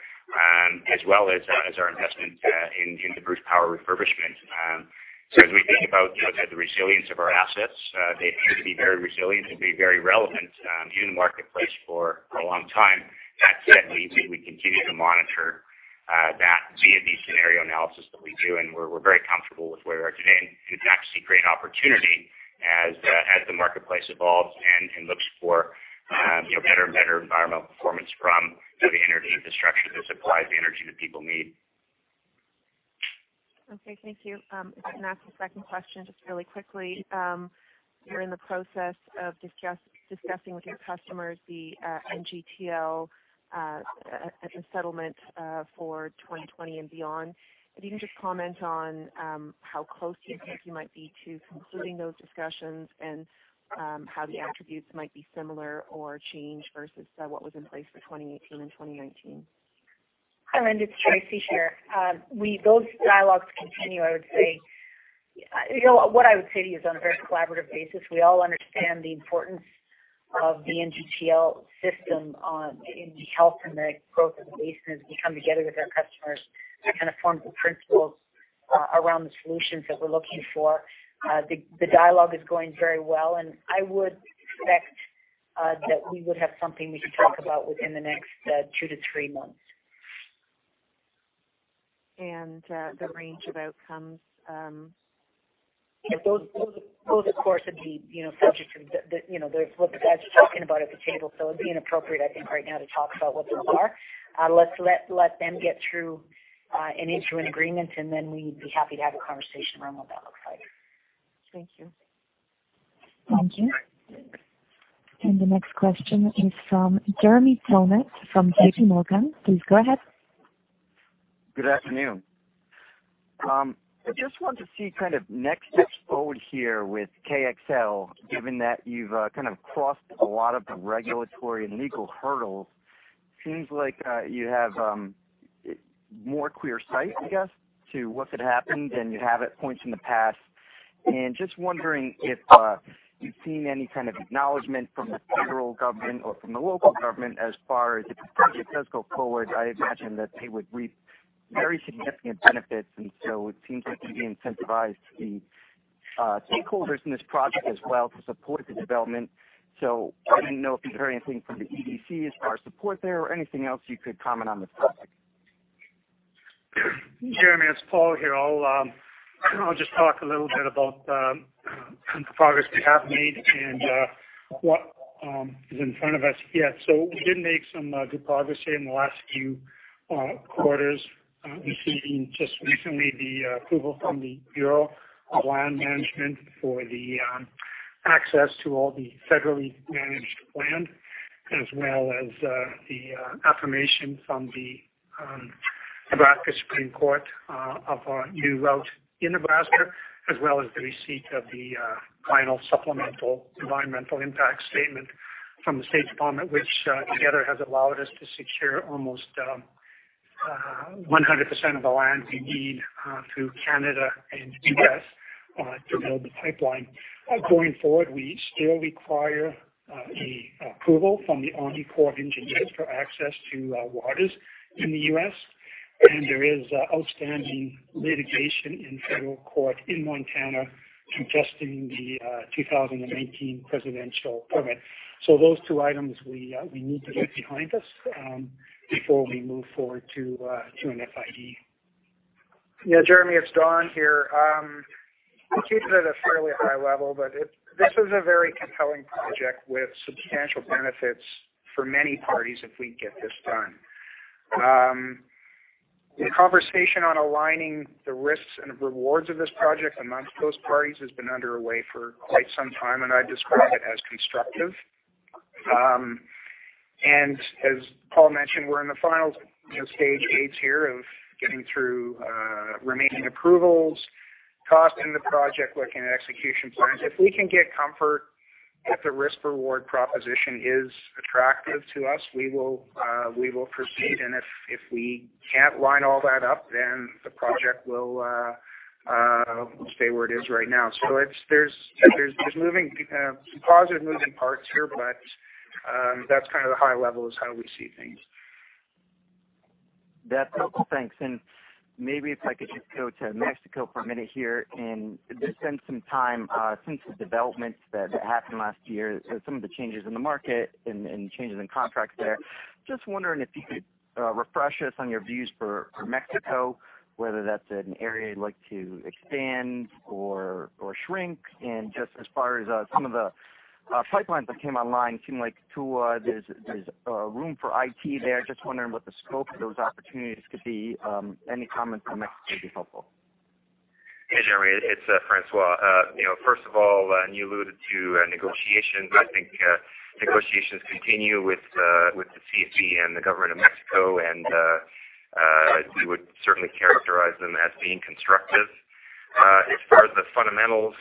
as well as our investment in the Bruce Power refurbishment. As we think about the resilience of our assets, they appear to be very resilient and be very relevant in the marketplace for a long time. That said, we continue to monitor that via the scenario analysis that we do, and we're very comfortable with where we are today and actually see great opportunity as the marketplace evolves and looks for better and better environmental performance from the energy infrastructure that supplies the energy that people need. Okay. Thank you. If I can ask a second question, just really quickly. You're in the process of discussing with your customers the NGTL, the settlement for 2020 and beyond. If you can just comment on how close you think you might be to concluding those discussions and how the attributes might be similar or change versus what was in place for 2018 and 2019. Hi, Linda. It's Tracy here. Those dialogues continue, I would say. What I would say to you is on a very collaborative basis, we all understand the importance of the NGTL System in the health and the growth of the basin, as we come together with our customers to form the principles around the solutions that we're looking for. The dialogue is going very well. I would expect that we would have something we could talk about within the next two to three months. The range of outcomes? Those, of course, would be That's what you're talking about at the table. It'd be inappropriate, I think, right now to talk about what those are. Let's let them get through and enter an agreement, and then we'd be happy to have a conversation around what that looks like. Thank you. Thank you. The next question is from Jeremy Tonet from JPMorgan. Please go ahead. Good afternoon. I just wanted to see next steps forward here with Keystone XL, given that you've crossed a lot of the regulatory and legal hurdles. Seems like you have more clear sight, I guess, to what could happen than you have at points in the past. Just wondering if you've seen any kind of acknowledgement from the federal government or from the local government as far as if the project does go forward, I imagine that they would reap very significant benefits. It seems like you'd be incentivized, the stakeholders in this project as well, to support the development. I didn't know if you heard anything from the Export Development Canada as far as support there or anything else you could comment on this topic. Jeremy, it's Paul here. I'll just talk a little bit about the progress we have made and what is in front of us. We did make some good progress here in the last few quarters, receiving just recently the approval from the United States Bureau of Land Management for the access to all the federally managed land, as well as the affirmation from the Nebraska Supreme Court of our new route in Nebraska, as well as the receipt of the final supplemental environmental impact statement from the United States Department of State, which together has allowed us to secure almost 100% of the land we need through Canada and the U.S. to build the pipeline. Going forward, we still require the approval from the United States Army Corps of Engineers for access to waters in the U.S., and there is outstanding litigation in federal court in Montana contesting the 2019 presidential permit. Those two items we need to get behind us before we move forward to an FID. Yeah, Jeremy, it's Don here. I'm keeping it at a fairly high level. This is a very compelling project with substantial benefits for many parties if we get this done. The conversation on aligning the risks and rewards of this project amongst those parties has been underway for quite some time, and I'd describe it as constructive. As Paul mentioned, we're in the final stage gate here of getting through remaining approvals, costing the project, looking at execution plans. If we can get comfort that the risk-reward proposition is attractive to us, we will proceed. If we can't line all that up, then the project will stay where it is right now. There's positive moving parts here, but that's kind of the high level is how we see things. That's helpful. Thanks. Maybe if I could just go to Mexico for a minute here and just spend some time since the developments that happened last year, some of the changes in the market and changes in contracts there. Just wondering if you could refresh us on your views for Mexico, whether that's an area you'd like to expand or shrink. Just as far as some of the pipelines that came online, it seemed like Tula, there's room for IT there. Just wondering what the scope of those opportunities could be. Any comment on Mexico would be helpful. Hey, Jeremy, it's François. First of all, you alluded to negotiations. I think negotiations continue with the CFE and the government of Mexico, and we would certainly characterize them as being constructive. As far as the fundamentals,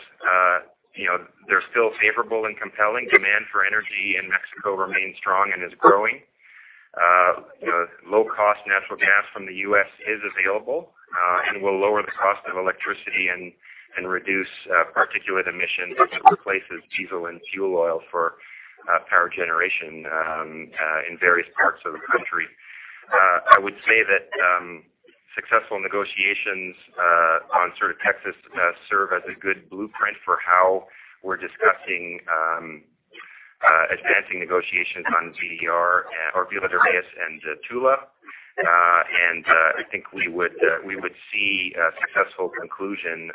they're still favorable and compelling. Demand for energy in Mexico remains strong and is growing. Low-cost natural gas from the U.S. is available and will lower the cost of electricity and reduce particulate emissions as it replaces diesel and fuel oil for power generation in various parts of the country. I would say that successful negotiations on Sur de Texas serve as a good blueprint for how we're discussing advancing negotiations on Villa de Reyes and Tula. I think we would see a successful conclusion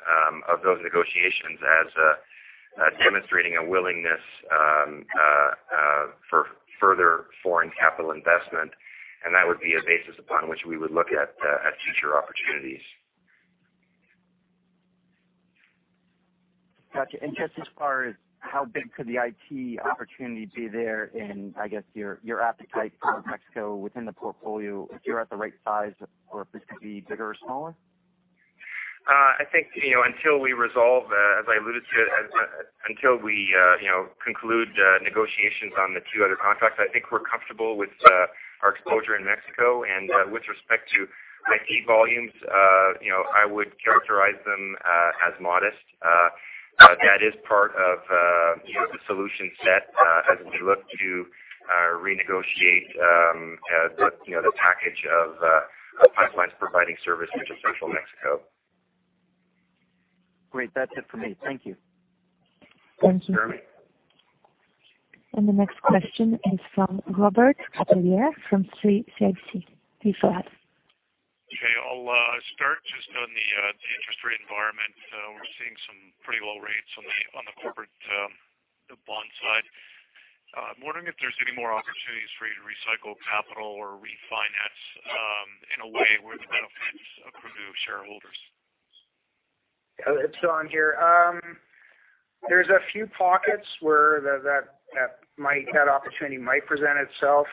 of those negotiations as demonstrating a willingness for further foreign capital investment. That would be a basis upon which we would look at future opportunities. Got you. Just as far as how big could the IT opportunity be there, and I guess your appetite for Mexico within the portfolio, if you're at the right size or if this could be bigger or smaller? I think, until we resolve, as I alluded to, until we conclude negotiations on the two other contracts, I think we're comfortable with our exposure in Mexico. With respect to IT volumes, I would characterize them as modest. That is part of the solution set as we look to renegotiate the package of pipelines providing service into central Mexico. Great. That's it for me. Thank you. Thank you. The next question is from Robert Catellier from CIBC. Please go ahead. Okay, I'll start just on the interest rate environment. We're seeing some pretty low rates on the corporate bond side. I'm wondering if there's any more opportunities for you to recycle capital or refinance in a way where the benefits accrue to shareholders. It's Don here. There's a few pockets where that opportunity might present itself.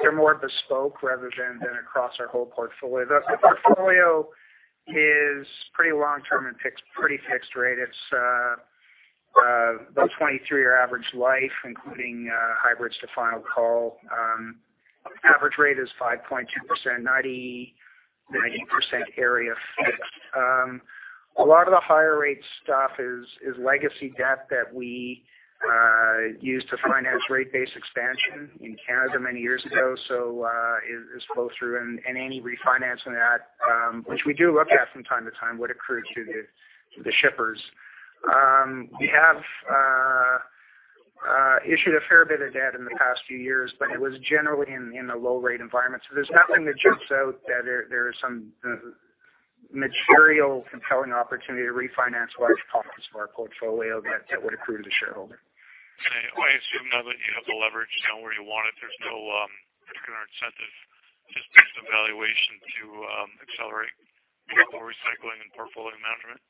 They're more bespoke rather than across our whole portfolio. The portfolio is pretty long-term and pretty fixed rate. It's about 23-year average life, including hybrids to final call. Average rate is 5.2%, 90% area fixed. A lot of the higher rate stuff is legacy debt that we used to finance rate-based expansion in Canada many years ago. It's both through any refinancing that, which we do look at from time to time, would accrue to the shippers. We have issued a fair bit of debt in the past few years, but it was generally in a low-rate environment. There's nothing that jumps out that there is some material compelling opportunity to refinance large pockets of our portfolio that would accrue to the shareholder. Okay. I assume now that you have the leverage where you want it, there's no particular incentive just based on valuation to accelerate capital recycling and portfolio management?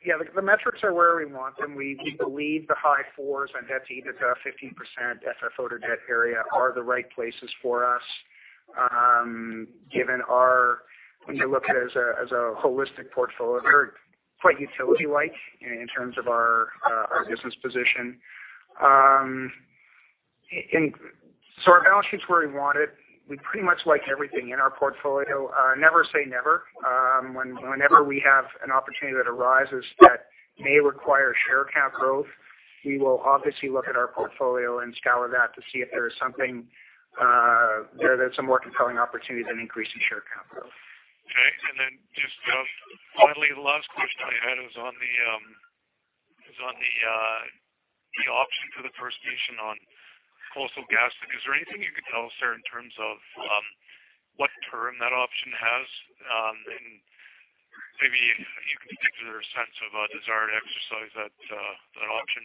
Yeah, the metrics are where we want them. We believe the high fours and that's EBITDA 15% FFO to debt area are the right places for us when you look at it as a holistic portfolio, we're quite utility-like in terms of our business position. Our balance sheet's where we want it. We pretty much like everything in our portfolio. Never say never. Whenever we have an opportunity that arises that may require share count growth, we will obviously look at our portfolio and scour that to see if there is something there that's a more compelling opportunity than increasing share count growth. Okay. Just finally, the last question I had was on the is on the option for the First Nation on Coastal GasLink. Is there anything you could tell us there in terms of what term that option has? Maybe any particular sense of a desire to exercise that option.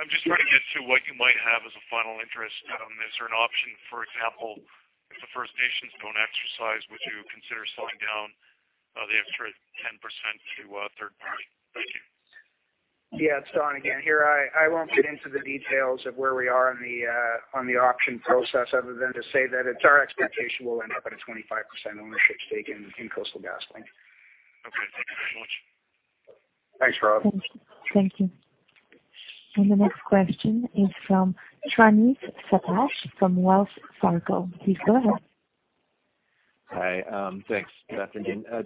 I'm just trying to get to what you might have as a final interest on this or an option. For example, if the First Nations don't exercise, would you consider selling down the extra 10% to a third party? Thank you. Yeah. It's Don again. I won't get into the details of where we are on the option process other than to say that it's our expectation we'll end up at a 25% ownership stake in Coastal GasLink. Okay. Thank you very much. Thanks, Rob. Thank you. The next question is from Praneeth Satish from Wells Fargo. Please go ahead. Hi. Thanks. Good afternoon. I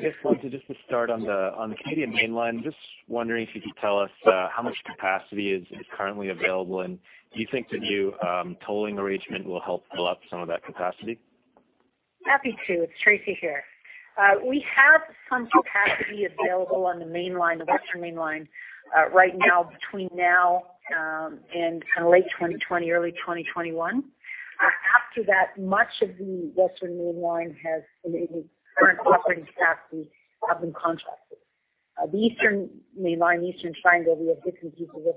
guess wanted just to start on the Canadian Mainline. Just wondering if you could tell us how much capacity is currently available, and do you think the new tolling arrangement will help fill up some of that capacity? Happy to. It's Tracy here. We have some capacity available on the Western Mainline right now between now and late 2020, early 2021. After that, much of the Western Mainline has The current operating capacity have been contracted. The Eastern Mainline, Eastern Triangle, we have different people with,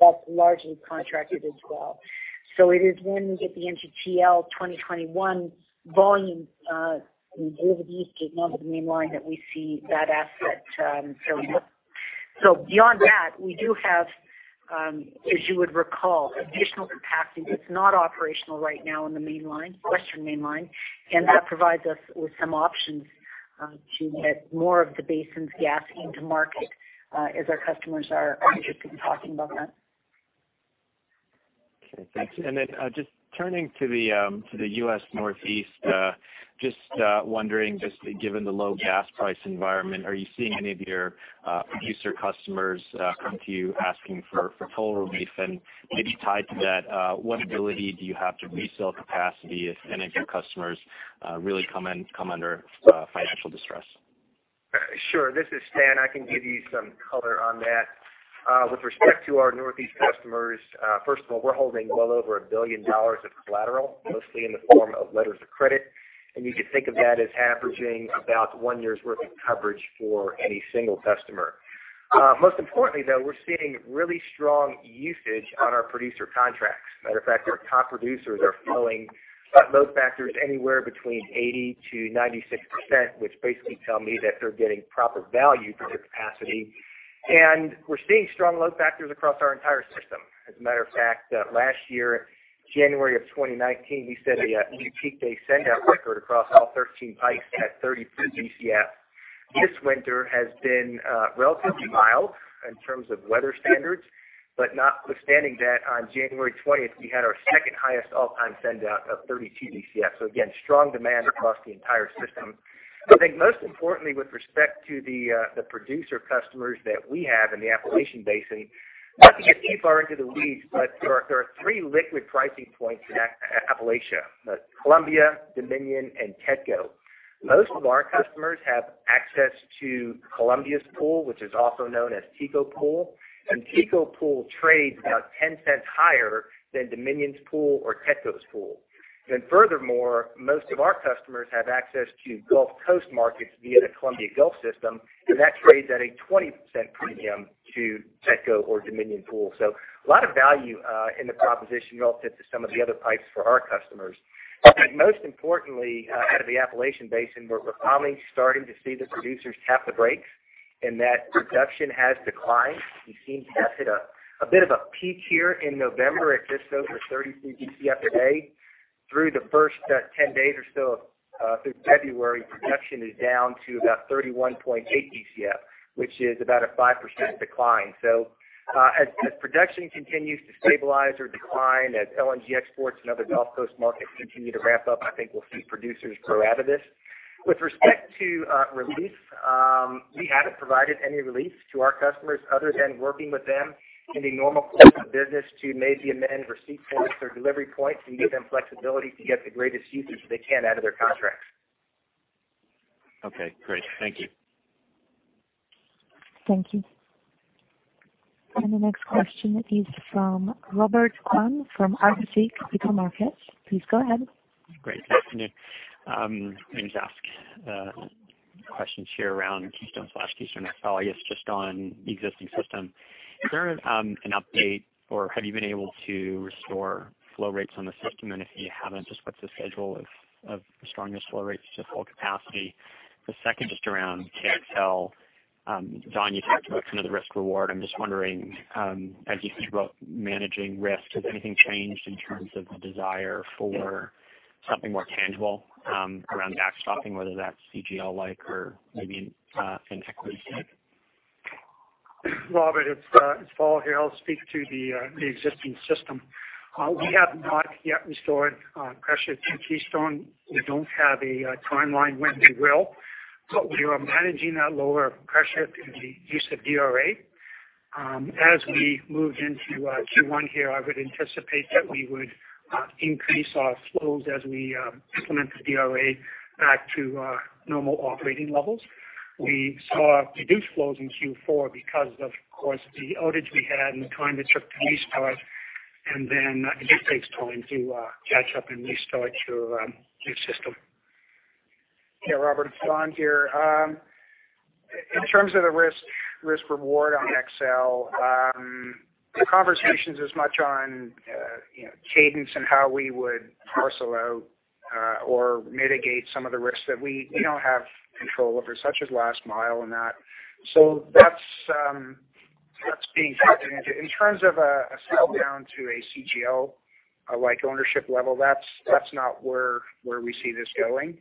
that's largely contracted as well. It is when we get the NGTL 2021 volume over the East Gate and onto the Mainline that we see that asset filling up. Beyond that, we do have, as you would recall, additional capacity that's not operational right now in the Western Mainline, and that provides us with some options to get more of the basin's gas into market as our customers are interested in talking about that. Okay, thank you. Just turning to the U.S. Northeast, just wondering, just given the low gas price environment, are you seeing any of your producer customers come to you asking for toll relief? Maybe tied to that, what ability do you have to resell capacity if any of your customers really come under financial distress? Sure. This is Stan. I can give you some color on that. With respect to our Northeast customers, first of all, we're holding well over 1 billion dollars of collateral, mostly in the form of letters of credit, and you could think of that as averaging about one year's worth of coverage for any single customer. Most importantly, though, we're seeing really strong usage on our producer contracts. Matter of fact, our top producers are flowing load factors anywhere between 80%-96%, which basically tell me that they're getting proper value for their capacity. We're seeing strong load factors across our entire system. As a matter of fact, last year, January of 2019, we set a peak day sendout record across all 13 pipes at 33 Bcf. This winter has been relatively mild in terms of weather standards. Notwithstanding that, on January 20th, we had our second highest all-time sendout of 32 Bcf. Again, strong demand across the entire system. I think most importantly with respect to the producer customers that we have in the Appalachian Basin, not to get too far into the weeds, but there are three liquid pricing points in Appalachia: Columbia, Dominion and TETCO. Most of our customers have access to Columbia's pool, which is also known as TCO Pool, and TCO Pool trades about 0.10 higher than Dominion's pool or TETCO's pool. Furthermore, most of our customers have access to Gulf Coast markets via the Columbia Gulf system, and that trades at a 20% premium to TETCO or Dominion Pool. A lot of value in the proposition relative to some of the other pipes for our customers. I think most importantly, out of the Appalachian Basin, we're finally starting to see the producers tap the brakes, and that production has declined. We seem to have hit a bit of a peak here in November at just over 33 Bcf a day. Through the first 10 days or so of February, production is down to about 31.8 Bcf, which is about a 5% decline. As production continues to stabilize or decline, as LNG exports and other Gulf Coast markets continue to ramp up, I think we'll see producers grow out of this. With respect to relief, we haven't provided any relief to our customers other than working with them in the normal course of business to maybe amend receipt points or delivery points and give them flexibility to get the greatest usage they can out of their contracts. Okay, great. Thank you. Thank you. The next question is from Robert Kwan from RBC Capital Markets. Please go ahead. Great. Good afternoon. Going to ask questions here around Keystone/Keystone XL. I guess just on the existing system. Is there an update, or have you been able to restore flow rates on the system? If you haven't, just what's the schedule of restoring those flow rates to full capacity? The second, just around KXL. Don, you talked about some of the risk/reward. I'm just wondering, as you think about managing risk, has anything changed in terms of the desire for something more tangible around backstopping, whether that's CGL-like or maybe an equity stake? Robert, it's Paul here. I'll speak to the existing system. We have not yet restored pressure to Keystone. We don't have a timeline when we will, but we are managing that lower pressure through the use of DRA. As we moved into Q1 here, I would anticipate that we would increase our flows as we implement the DRA back to our normal operating levels. We saw reduced flows in Q4 because of course, the outage we had and the time it took to restart, and then it just takes time to catch up and restart your system. Yeah, Robert, it's Don here. In terms of the risk-reward on XL, the conversation's as much on cadence and how we would parcel out or mitigate some of the risks that we don't have control over, such as last mile and that. That's being factored into. In terms of a sell down to a CGL-like ownership level, that's not where we see this going.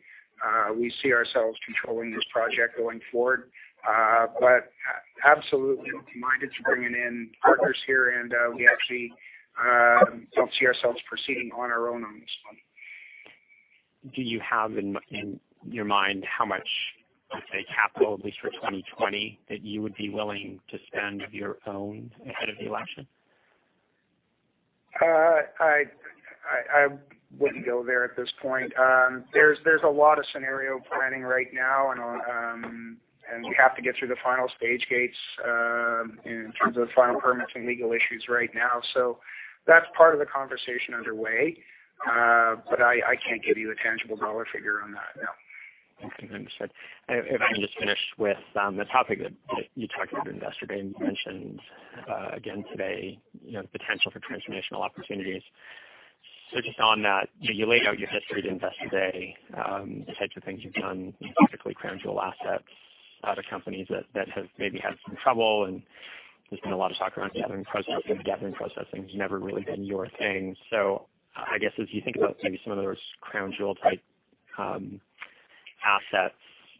We see ourselves controlling this project going forward. Absolutely open-minded to bringing in partners here, and we actually don't see ourselves proceeding on our own on this one. Do you have in your mind how much, let's say, capital, at least for 2020, that you would be willing to spend of your own ahead of the election? I wouldn't go there at this point. There's a lot of scenario planning right now, and we have to get through the final stage gates in terms of final permits and legal issues right now. That's part of the conversation underway. I can't give you a tangible dollar figure on that, no. Okay. Understood. If I can just finish with the topic that you talked about investor day and you mentioned again today, the potential for transformational opportunities. Just on that, you laid out your history at investor day, the types of things you've done, basically crown jewel assets, other companies that have maybe had some trouble, and there's been a lot of talk around gathering, processing. Gathering, processing's never really been your thing. I guess as you think about maybe some of those crown jewel type assets,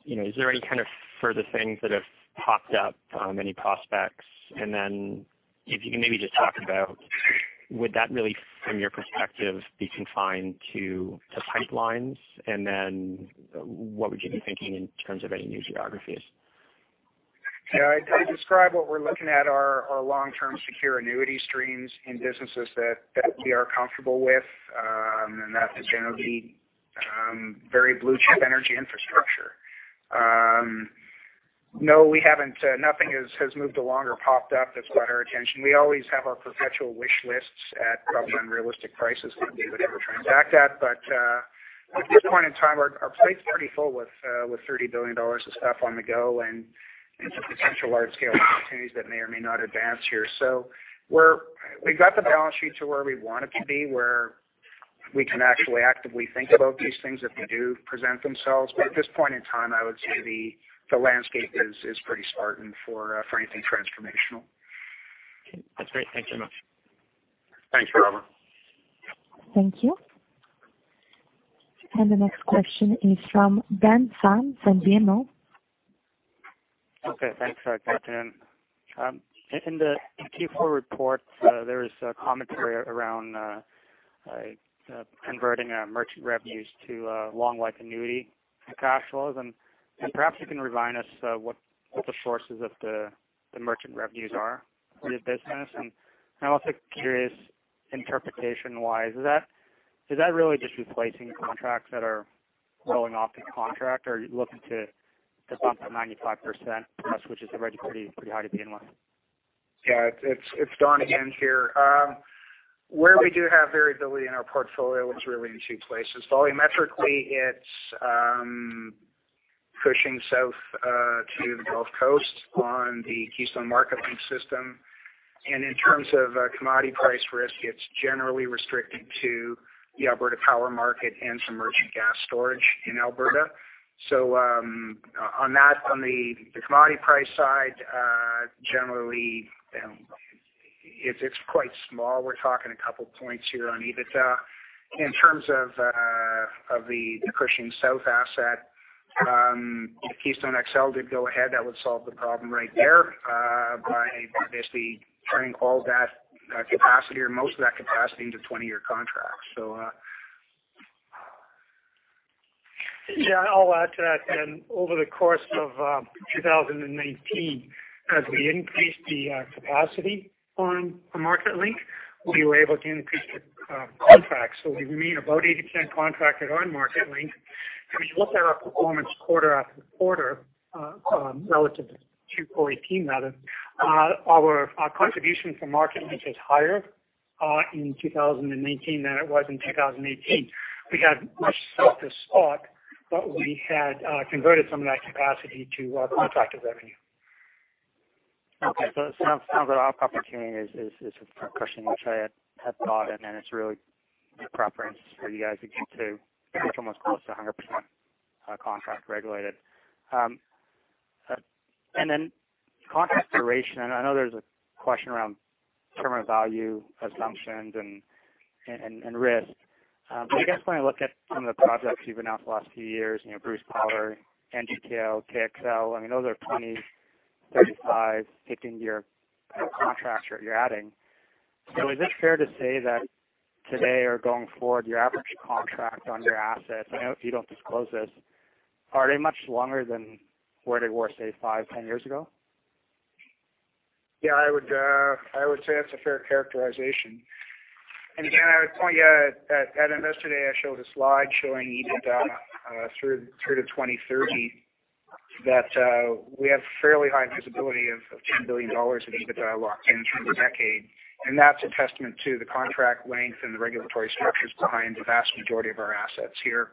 is there any kind of further things that have popped up? Any prospects? If you can maybe just talk about would that really, from your perspective, be confined to pipelines, and then what would you be thinking in terms of any new geographies? Yeah. I describe what we're looking at are long-term secure annuity streams in businesses that we are comfortable with. That is generally very blue-chip energy infrastructure. No, we haven't. Nothing has moved along or popped up that's caught our attention. We always have our perpetual wish lists at probably unrealistic prices that we would ever transact at. At this point in time, our plate's pretty full with 30 billion dollars of stuff on the go and some potential large-scale opportunities that may or may not advance here. We've got the balance sheet to where we want it to be, where we can actually actively think about these things if they do present themselves. At this point in time, I would say the landscape is pretty spartan for anything transformational. That's great. Thank you much. Thanks, Robert. Thank you. The next question is from Ben Pham from BMO. Okay. Thanks. Good afternoon. In the Q4 report, there was a commentary around converting merchant revenues to long life annuity cash flows. Perhaps you can remind us what the sources of the merchant revenues are for your business? I am also curious, interpretation-wise, is that really just replacing contracts that are rolling off the contract, or are you looking to bump to 95%+ which is already pretty high to begin with? Yeah. It's Don again here. Where we do have variability in our portfolio is really in two places. Volumetrically, it's Cushing South to the Gulf Coast on the Keystone Marketlink system. In terms of commodity price risk, it's generally restricted to the Alberta power market and some merchant gas storage in Alberta. On that, on the commodity price side, generally, it's quite small. We're talking a couple points here on EBITDA. In terms of the Cushing South asset, if Keystone XL did go ahead, that would solve the problem right there by basically turning all of that capacity or most of that capacity into 20-year contracts. I'll add to that, Ben. Over the course of 2019, as we increased the capacity on Marketlink, we were able to increase the contracts. We remain about 80% contracted on Marketlink. If you look at our performance quarter after quarter, relative to 2018 rather, our contribution from Marketlink is higher in 2019 than it was in 2018. We had much softer spot, we had converted some of that capacity to contracted revenue. Okay. It sounds like our opportunity is with Cushing, which I had thought, it's really the preference for you guys to get to almost close to 100% contract regulated. Contract duration, I know there's a question around terminal value assumptions and risk. I guess when I look at some of the projects you've announced the last few years, Bruce Power, NGTL, KXL, those are 2035, taking your contracts you're adding, is it fair to say that today or going forward, your average contract on your assets, I know you don't disclose this, are they much longer than where they were, say, five, 10 years ago? Yeah, I would say that's a fair characterization. Again, I would point you at yesterday, I showed a slide showing EBITDA through to 2030, that we have fairly high visibility of 10 billion dollars of EBITDA locked in through the decade. That's a testament to the contract length and the regulatory structures behind the vast majority of our assets here.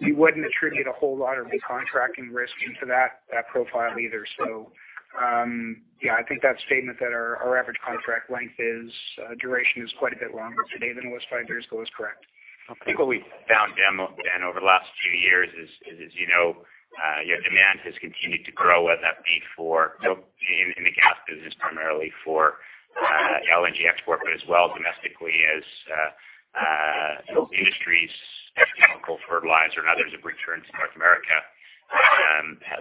You wouldn't attribute a whole lot of recontracting risk into that profile either. Yeah, I think that statement that our average contract length is, duration is quite a bit longer today than it was five years ago is correct. Okay. I think what we've found, Ben, over the last few years is your demand has continued to grow, whether that be for In the gas business, primarily for LNG export, but as well domestically as industries, petrochemical, fertilizer, and others have returned to North America,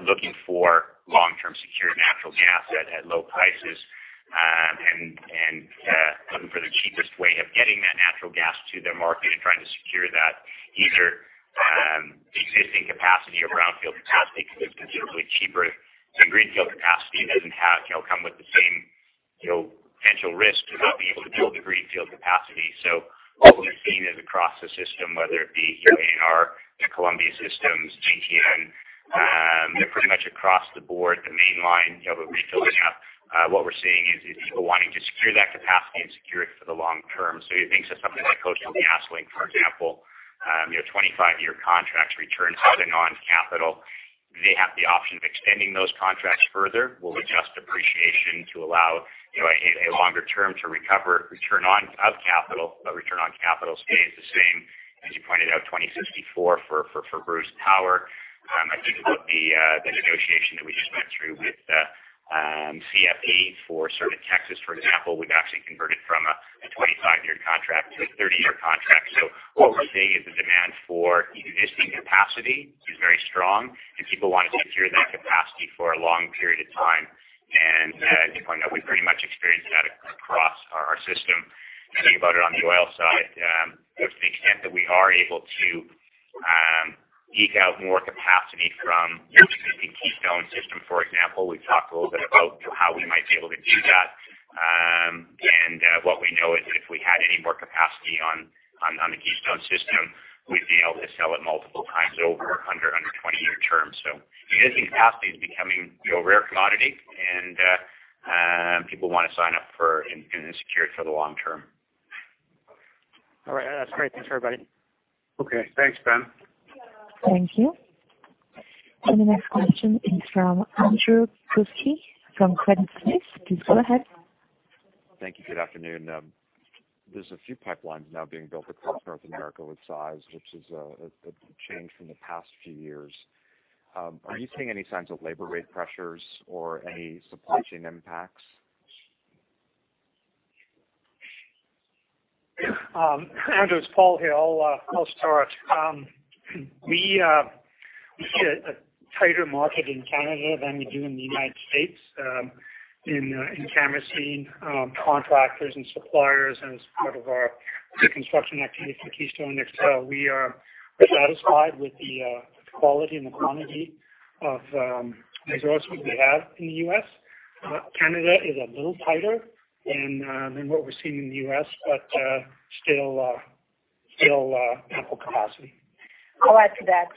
looking for long-term secured natural gas at low prices, and looking for the cheapest way of getting that natural gas to their market and trying to secure that, either the existing capacity or brownfield capacity, because it's considerably cheaper than greenfield capacity, and doesn't come with the same potential risk to not be able to build the greenfield capacity. What we've seen is across the system, whether it be here in our, the Columbia systems, GTN, they're pretty much across the board. The main line of it we're filling up. What we're seeing is people wanting to secure that capacity and secure it for the long term. You think of something like Coastal GasLink, for example, 25-year contracts return something on capital. They have the option of extending those contracts further. We'll adjust depreciation to allow a longer term to recover return of capital, but return on capital stays the same. As you pointed out, 2064 for Bruce Power. I think about the negotiation that we just went through with CFE for Sur de Texas, for example. We've actually converted from a 25-year contract to a 30-year contract. What we're seeing is the demand for existing capacity is very strong, and people want to secure that capacity for a long period of time. As you point out, we've pretty much experienced that across our system. Thinking about it on the oil side, to the extent that we are able to eke out more capacity from the existing Keystone system, for example. We've talked a little bit about how we might be able to do that. What we know is that if we had any more capacity on the Keystone system, we'd be able to sell it multiple times over under 20-year terms. Existing capacity is becoming a rare commodity, and people want to sign up for and secure it for the long term. All right. That's great. Thanks, everybody. Okay. Thanks, Ben. Thank you. The next question is from Andrew Kuske from Credit Suisse. Please go ahead. Thank you. Good afternoon. There is a few pipelines now being built across North America with size, which is a change from the past few years. Are you seeing any signs of labor rate pressures or any supply chain impacts? Andrew, it's Paul here, I'll start. We see a tighter market in Canada than we do in the United States. In Canada, we're seeing contractors and suppliers as part of our construction activity for Keystone XL. We are satisfied with the quality and the quantity of resources we have in the U.S. Canada is a little tighter than what we're seeing in the U.S., but still ample capacity. I'll add to that.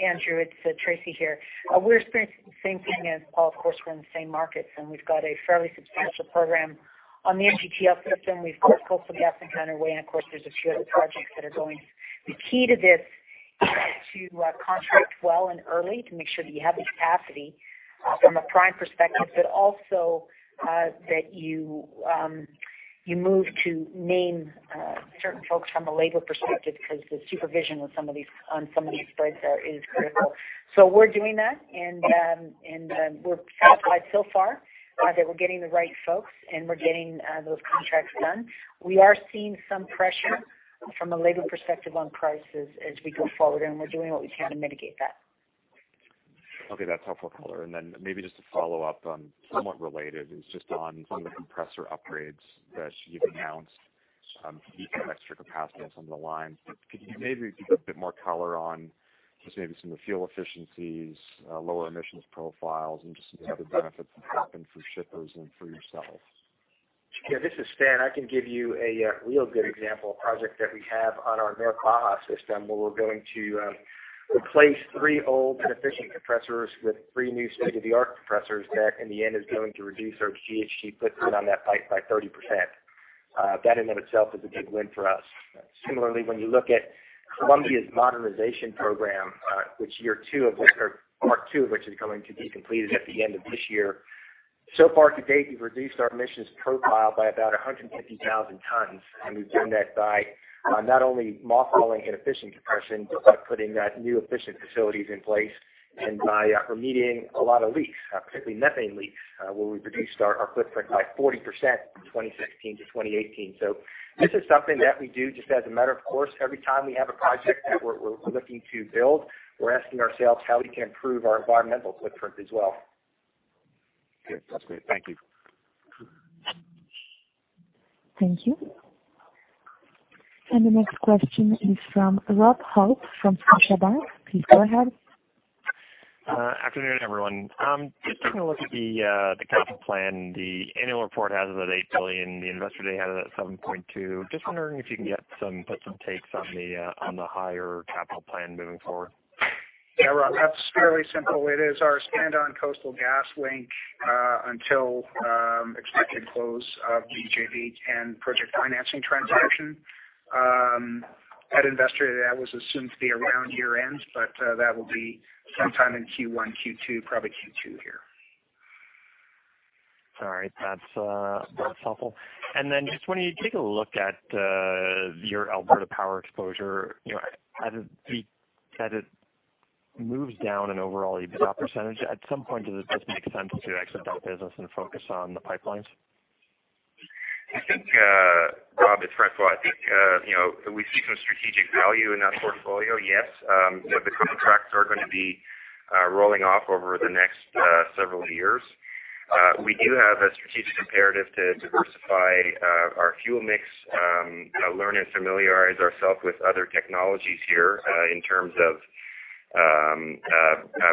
Andrew, it's Tracy here. We're experiencing the same thing as Paul. Of course, we're in the same markets. We've got a fairly substantial program on the NGTL system. We've got Coastal GasLink underway. Of course, there's a few other projects that are going. The key to this is to contract well and early to make sure that you have the capacity from a prime perspective, also that you move to name certain folks from a labor perspective because the supervision on some of these spreads there is critical. We're doing that. We're satisfied so far that we're getting the right folks and we're getting those contracts done. We are seeing some pressure from a labor perspective on prices as we go forward. We're doing what we can to mitigate that. Okay. That's helpful color. Maybe just to follow up on somewhat related is just on some of the compressor upgrades that you've announced to eke out extra capacity on some of the lines. Could you maybe give a bit more color on just maybe some of the fuel efficiencies, lower emissions profiles, and just some of the other benefits that happen for shippers and for yourselves? Yeah, this is Stan. I can give you a real good example, a project that we have on our Norco system where we're going to replace three old inefficient compressors with three new state-of-the-art compressors that in the end is going to reduce our GHG footprint on that pipe by 30%. That in of itself is a big win for us. Similarly, when you look at Columbia's modernization program, which year two of which, or part two of which is going to be completed at the end of this year. So far to date, we've reduced our emissions profile by about 150,000 tons, and we've done that by not only mothballing inefficient compression, but by putting new efficient facilities in place and by remedying a lot of leaks, particularly methane leaks, where we've reduced our footprint by 40% since 2019. 2016-2018. This is something that we do just as a matter of course. Every time we have a project that we're looking to build, we're asking ourselves how we can improve our environmental footprint as well. Good. That's great. Thank you. Thank you. The next question is from Robert Hope from Scotiabank. Please go ahead. Afternoon, everyone. Just taking a look at the capital plan. The annual report has it at 8 billion, the investor day had it at 7.2 billion. Just wondering if you can put some takes on the higher capital plan moving forward? Yeah, Rob, that's fairly simple. It is our spend on Coastal GasLink, until expected close of JV and project financing transaction. At Investor Day, that was assumed to be around year-end, but that will be sometime in Q1, Q2, probably Q2 here. All right. That's helpful. Then just when you take a look at your Alberta power exposure, as it moves down an overall EBITDA %, at some point, does it just make sense to exit that business and focus on the pipelines? I think, Rob, it's François. I think, we see some strategic value in that portfolio, yes. The contracts are going to be rolling off over the next several years. We do have a strategic imperative to diversify our fuel mix, learn and familiarize ourselves with other technologies here, in terms of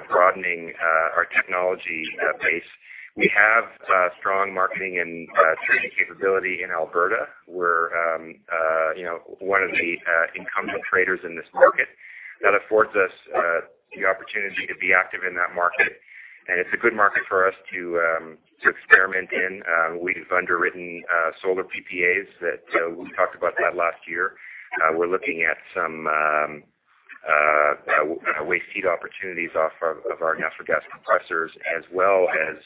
broadening our technology base. We have strong marketing and trading capability in Alberta. We're one of the incumbent traders in this market. That affords us the opportunity to be active in that market, and it's a good market for us to experiment in. We've underwritten solar PPAs, we talked about that last year. We're looking at some waste heat opportunities off of our natural gas compressors as well as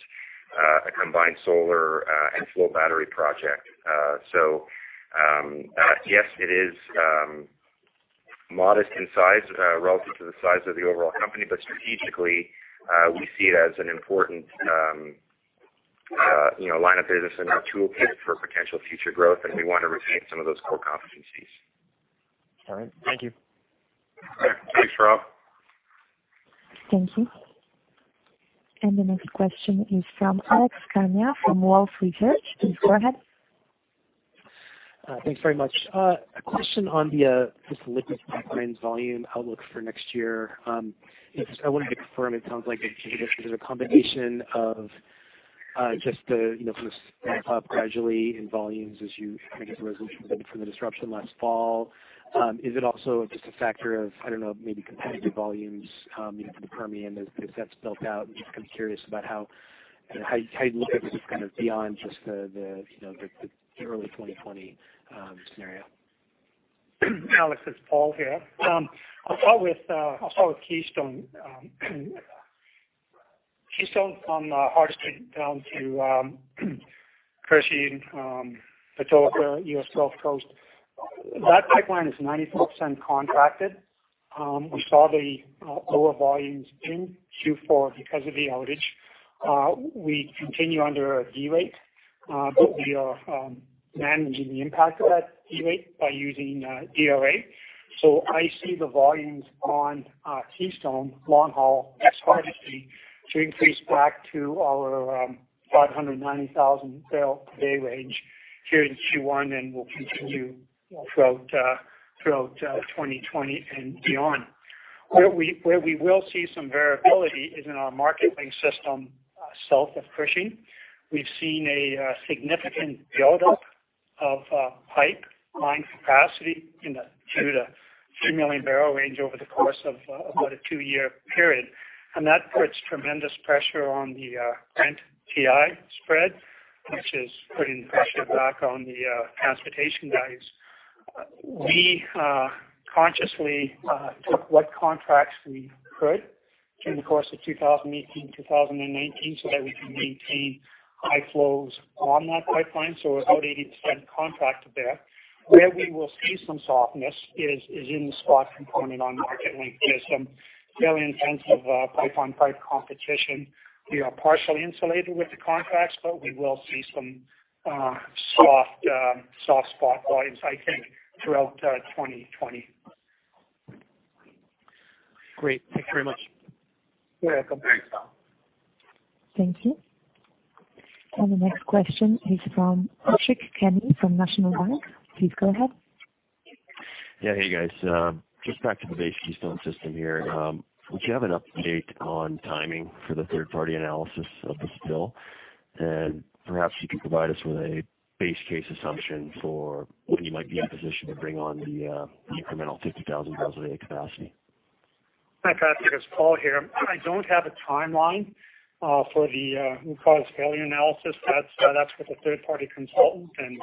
a combined solar and flow battery project. Yes, it is modest in size, relative to the size of the overall company. Strategically, we see it as an important line of business and a toolkit for potential future growth, and we want to retain some of those core competencies. All right. Thank you. Thanks, Rob. Thank you. The next question is from Alex Kania from Wolfe Research. Please go ahead. Thanks very much. A question on the just liquid pipelines volume outlook for next year. I wanted to confirm, it sounds like there's a combination of just the ramp up gradually in volumes as you recover from the disruption last fall. Is it also just a factor of, I don't know, maybe competitive volumes, from the Permian as that's built out? I'm just curious about how you look at this kind of beyond just the early 2020 scenario. Alex, it's Paul here. I'll start with Keystone. Keystone from Hardisty down to Cushing, Patoka, U.S. Gulf Coast. That pipeline is 94% contracted. We saw the lower volumes in Q4 because of the outage. We continue under a derate, but we are managing the impact of that derate by using DRA. I see the volumes on Keystone long haul as Hardisty to increase back to our 590,000 barrel per day range here in Q1, and will continue throughout 2020 and beyond. Where we will see some variability is in our Marketlink system south of Cushing. We've seen a significant buildup of pipeline capacity due to 3 million barrel range over the course of about a two-year period. That puts tremendous pressure on the Brent-WTI spread, which is putting pressure back on the transportation values. We consciously took what contracts we could during the course of 2018, 2019, so that we can maintain high flows on that pipeline. We're about 80% contracted there. Where we will see some softness is in the spot component on Marketlink system, fairly intensive pipe-on-pipe competition. We are partially insulated with the contracts, but we will see some soft spot volumes, I think, throughout 2020. Great. Thank you very much. You're welcome. Thanks, Paul. Thank you. The next question is from Patrick Kenny from National Bank. Please go ahead. Yeah. Hey, guys. Just back to the base Keystone system here. Do you have an update on timing for the third-party analysis of the spill? Perhaps you could provide us with a base case assumption for when you might be in a position to bring on the incremental 50,000 barrels a day capacity. Hi, Patrick. It's Paul here. I don't have a timeline for the root cause failure analysis. That's with a third-party consultant, and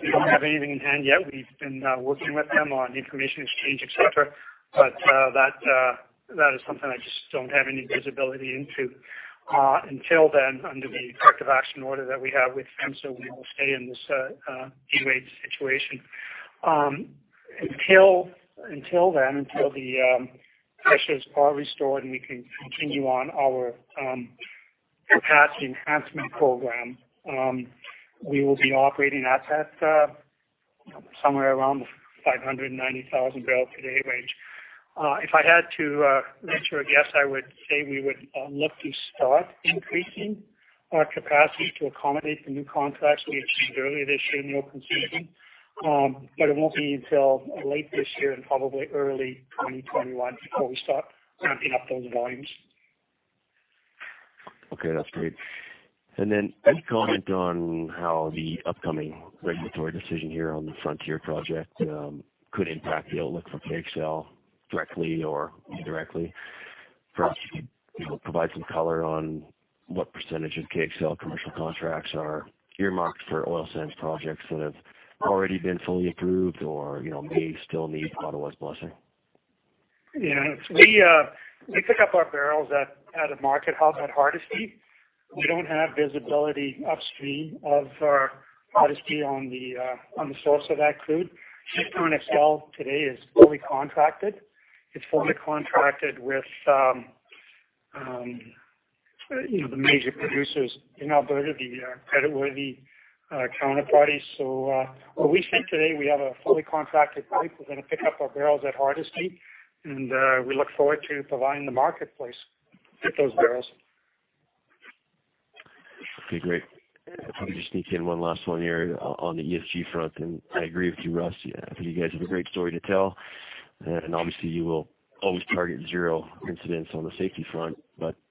we don't have anything in hand yet. We've been working with them on information exchange, et cetera, but that is something I just don't have any visibility into. Until then, under the corrective action order that we have with them, we will stay in this D rate situation. Until then, until the pressures are restored and we can continue on our capacity enhancement program, we will be operating at somewhere around the 590,000 barrel per day range. If I had to venture a guess, I would say we would look to start increasing our capacity to accommodate the new contracts we obtained earlier this year in the open season. It won't be until late this year and probably early 2021 before we start ramping up those volumes. Okay, that's great. Any comment on how the upcoming regulatory decision here on the Frontier project could impact the outlook for KXL directly or indirectly? Perhaps you could provide some color on what percentage of KXL commercial contracts are earmarked for oil sands projects that have already been fully approved or may still need Ottawa's blessing. We pick up our barrels at a market hub at Hardisty. We don't have visibility upstream of Hardisty on the source of that crude. Ship through KXL today is fully contracted. It's fully contracted with the major producers in Alberta, the creditworthy counterparties. What we see today, we have a fully contracted pipe. We're going to pick up our barrels at Hardisty, and we look forward to providing the marketplace with those barrels. Okay, great. If I could just sneak in one last one here on the ESG front, I agree with you, Russ, I think you guys have a great story to tell, and obviously you will always target zero incidents on the safety front.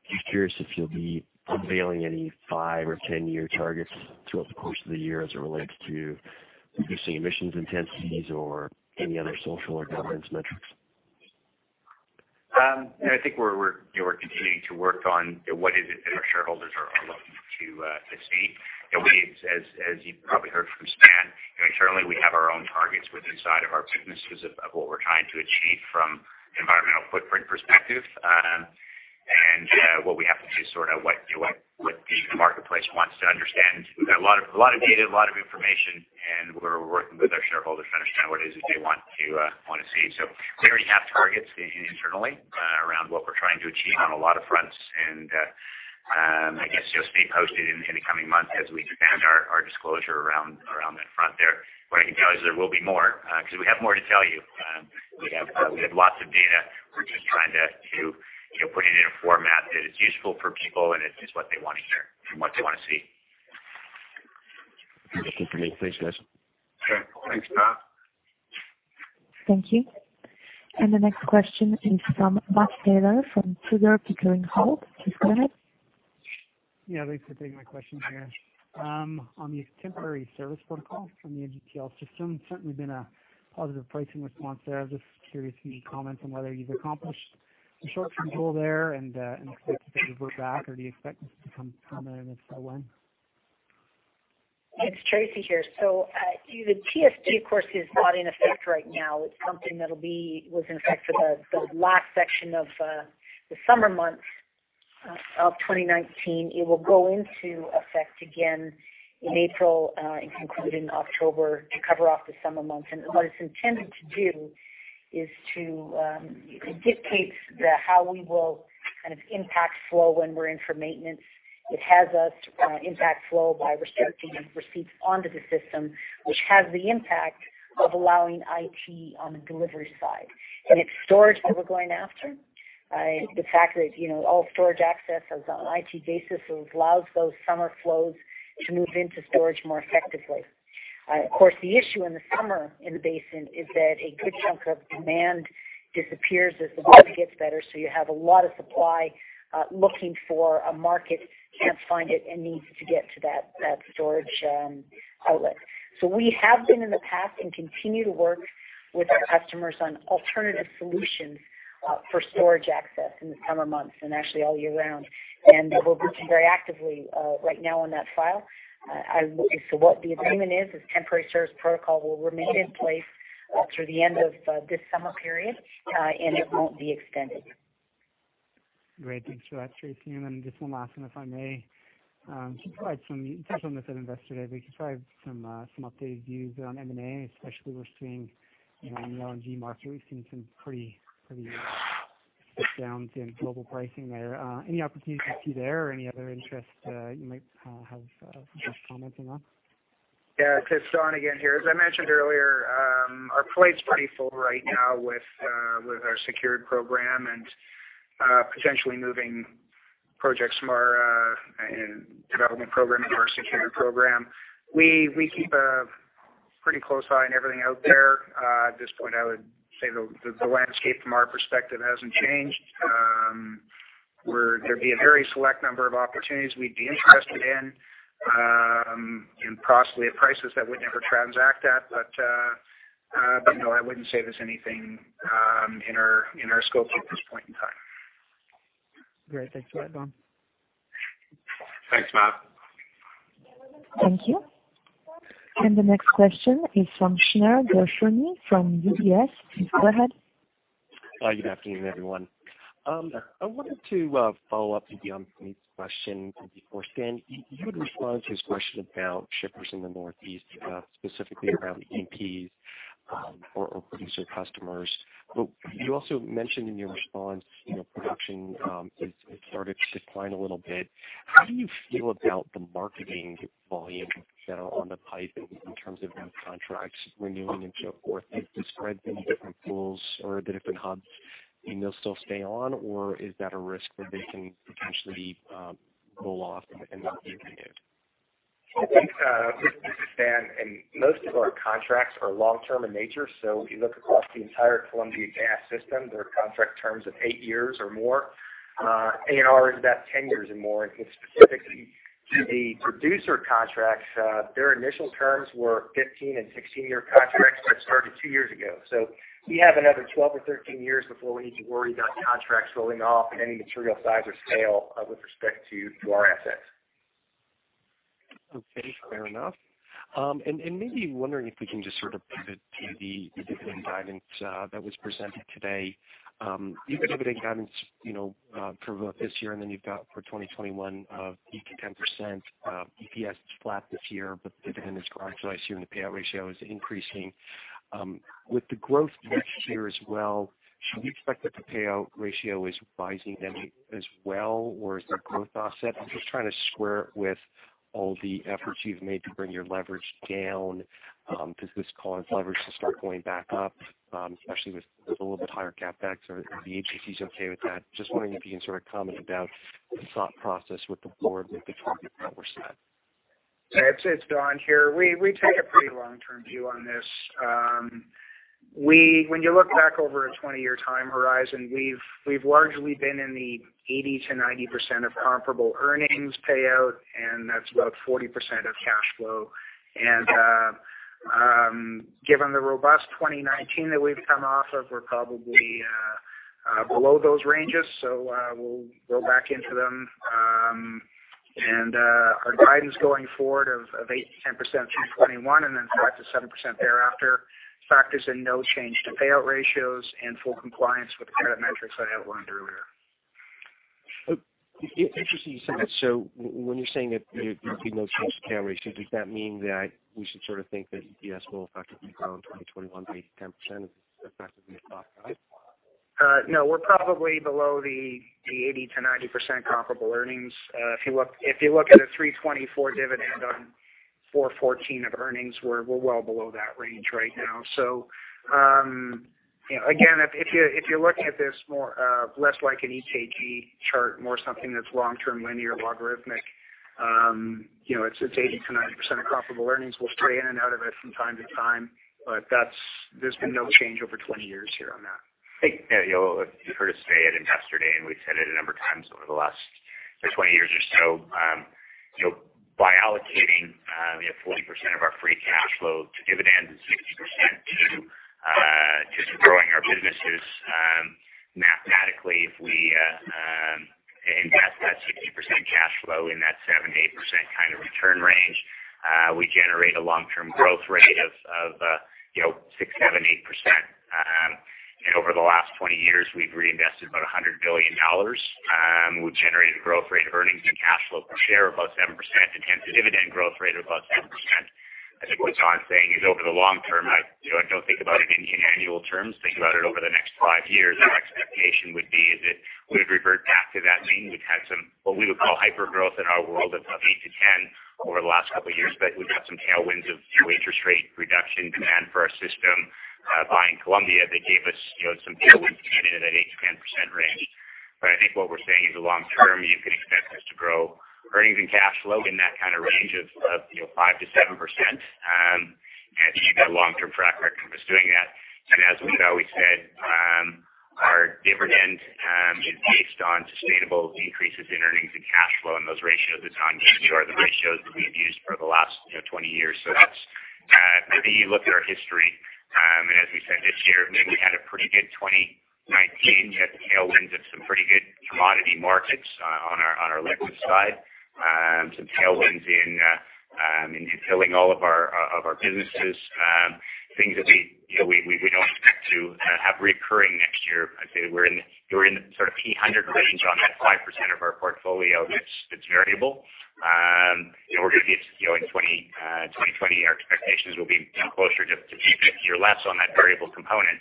Just curious if you'll be unveiling any five or 10-year targets throughout the course of the year as it relates to reducing emissions intensities or any other social or governance metrics. I think we're continuing to work on what is it that our shareholders are looking to see. As you probably heard from Stan, internally, we have our own targets inside of our businesses of what we're trying to achieve from an environmental footprint perspective. What we have to do is sort out what the marketplace wants to understand. We've got a lot of data, a lot of information, and we're working with our shareholders to understand what it is that they want to see. We already have targets internally around what we're trying to achieve on a lot of fronts. I guess you'll see posted in the coming months as we expand our disclosure around that front there. What I can tell you is there will be more, because we have more to tell you. We have lots of data. We're just trying to put it in a format that is useful for people and it's what they want to hear and what they want to see. That's it for me. Thanks, guys. Okay. Thanks, Rob. Thank you. The next question is from Matt Taylor from Tudor, Pickering, Holt. Please go ahead. Yeah, thanks for taking my question here. On the temporary service protocol from the NGTL system, certainly been a positive pricing response there. I was just curious if you could comment on whether you've accomplished the short-term goal there, and expect it to revert back, or do you expect this to become permanent, if so, when? It's Tracy here. The TSP, of course, is not in effect right now. It's something that was in effect for the last section of the summer months of 2019. It will go into effect again in April and conclude in October to cover off the summer months. What it's intended to do is to dictate how we will impact flow when we're in for maintenance. It has us impact flow by restricting receipts onto the system, which has the impact of allowing IT on the delivery side. It's storage that we're going after. The fact that all storage access is on an IT basis allows those summer flows to move into storage more effectively. Of course, the issue in the summer in the basin is that a good chunk of demand disappears as the weather gets better, so you have a lot of supply looking for a market, can't find it, and needs to get to that storage outlet. We have been in the past and continue to work with our customers on alternative solutions for storage access in the summer months and actually all year round. We're working very actively right now on that file. As to what the agreement is, this temporary service protocol will remain in place through the end of this summer period, and it won't be extended. Great. Thanks for that, Tracy. Just one last one, if I may. You touched on this at Investor Day, you could provide some updated views on M&A, especially we're seeing in the LNG market, we've seen some pretty big downs in global pricing there. Any opportunities you see there or any other interests you might have comments on? It's Don again here. As I mentioned earlier, our plate's pretty full right now with our secured program and potentially moving projects from our development program into our secured program. We keep a pretty close eye on everything out there. At this point, I would say the landscape from our perspective hasn't changed. There'd be a very select number of opportunities we'd be interested in and possibly at prices that we'd never transact at. No, I wouldn't say there's anything in our scope at this point in time. Great. Thanks a lot, Don. Thanks, Matt. Thank you. The next question is from Shneur Gershuni from UBS. Please go ahead. Good afternoon, everyone. I wanted to follow up with Jeremy's question from before. Stan, you had responded to his question about shippers in the Northeast, specifically around E&Ps or producer customers. You also mentioned in your response, production has started to decline a little bit. How do you feel about the marketing volume that are on the pipe in terms of new contracts renewing and so forth? If they spread to the different pools or the different hubs, and they'll still stay on, or is that a risk that they can potentially roll off and not be renewed? This is Stan. Most of our contracts are long-term in nature. If you look across the entire Columbia Gas system, there are contract terms of eight years or more. ANR is about 10 years or more, and specifically to the producer contracts, their initial terms were 15 and 16-year contracts when it started two years ago. We have another 12 or 13 years before we need to worry about contracts rolling off in any material size or scale with respect to our assets. Okay, fair enough. Maybe wondering if we can just pivot to the dividend guidance that was presented today. You've got dividend guidance for this year, and then you've got for 2021 of 8%-10%, EPS is flat this year, but the dividend is growing. Last year when the payout ratio is increasing. With the growth next year as well, should we expect that the payout ratio is rising then as well, or is there growth offset? I'm just trying to square it with all the efforts you've made to bring your leverage down. Does this cause leverage to start going back up, especially with a little bit higher CapEx? Are the agencies okay with that? Just wondering if you can comment about the thought process with the board, with the targets that were set. It's Don here. We take a pretty long-term view on this. When you look back over a 20-year time horizon, we've largely been in the 80%-90% of comparable earnings payout, and that's about 40% of cash flow. Given the robust 2019 that we've come off of, we're probably below those ranges, so we'll go back into them. Our guidance going forward of 8%-10% through 2021 and then 5%-7% thereafter, factors in no change to payout ratios and full compliance with the credit metrics I outlined earlier. Interesting you say that. When you're saying that there'll be no change to payout ratio, does that mean that we should think that EPS will effectively grow in 2021 by 8%-10% effectively if not right? We're probably below the 80%-90% comparable earnings. If you look at a 3.24 dividend on 4.14 of earnings, we're well below that range right now. Again, if you're looking at this less like an EKG chart and more something that's long-term, linear, logarithmic, it's 80%-90% of comparable earnings. We'll stray in and out of it from time to time, there's been no change over 20 years here on that. You've heard us say at Investor Day, we've said it a number of times over the last 20 years or so, by allocating 40% of our free cash flow to dividends and 60% to growing our businesses, mathematically, if we invest that 60% cash flow in that 7%-8% kind of return range, we generate a long-term growth rate of 6%, 7%, 8%. Over the last 20 years, we've reinvested about 100 billion dollars, we've generated a growth rate of earnings and cash flow per share of about 7%, and hence a dividend growth rate of about 7%. I think what Don's saying is over the long term, I don't think about it in annual terms. Think about it over the next five years, our expectation would be is that we would revert back to that mean. We've had some, what we would call hypergrowth in our world of 8%-10% over the last couple of years, but we've had some tailwinds of low interest rate reduction, demand for our system buying Columbia that gave us some tailwinds to get into that 8%-10% range. I think what we're saying is the long term, you can expect us to grow earnings and cash flow in that kind of range of 5%-7%. I think our long-term track record was doing that. As we've always said, our dividend is based on sustainable increases in earnings and cash flow, and those ratios that Don gave you are the ratios that we've used for the last 20 years. That's if you look at our history, and as we said this year, we had a pretty good 2019. We had the tailwinds of some pretty good commodity markets on our liquids side. Some tailwinds in filling all of our businesses. Things that we don't expect to have recurring next year. I'd say we're in the sort of 80/100 range on that 5% of our portfolio that's variable. In 2020, our expectations will be closer to 80/50 or less on that variable component.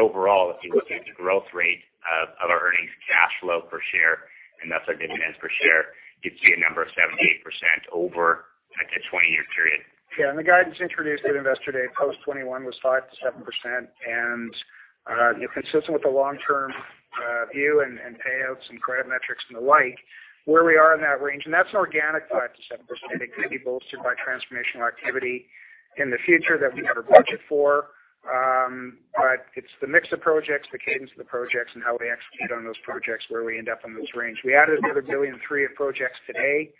Overall, if you look at the growth rate of our earnings cash flow per share, and thus our dividends per share, you'd see a number of 7%-8% over a 20-year period. Yeah, the guidance introduced at Investor Day post 2021 was 5%-7%, and consistent with the long-term view and payouts and credit metrics and the like, where we are in that range. That's an organic 5%-7%. It could be bolstered by transformational activity in the future that we have a budget for. It's the mix of projects, the cadence of the projects, and how we execute on those projects, where we end up in those range. We added another 1.3 billion of projects today.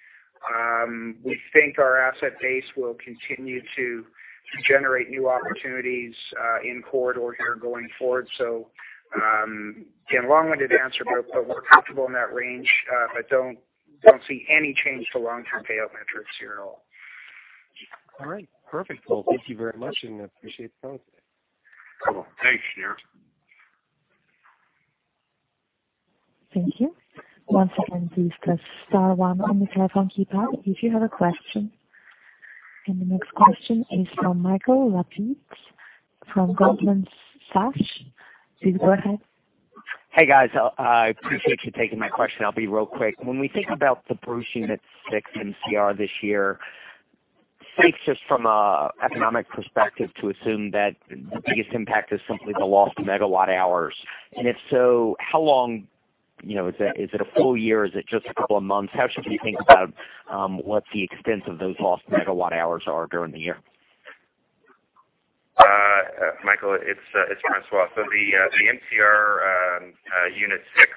We think our asset base will continue to generate new opportunities in corridor here going forward. Again, long-winded answer, Bill, but we're comfortable in that range. Don't see any change to long-term payout metrics here at all. All right, perfect. Thank you very much and appreciate the call. Cool. Thanks, Shneur. Thank you. Once again, please press star one on the telephone keypad if you have a question. The next question is from Michael Lapides from Goldman Sachs. Please go ahead. Hey, guys. I appreciate you taking my question. I will be real quick. When we think about the production at unit 6 MCR this year, is it safe just from an economic perspective to assume that the biggest impact is simply the lost megawatt hours? If so, how long? Is it a full year? Is it just a couple of months? How should we think about what the extent of those lost megawatt hours are during the year? Michael, it's François. The MCR unit 6,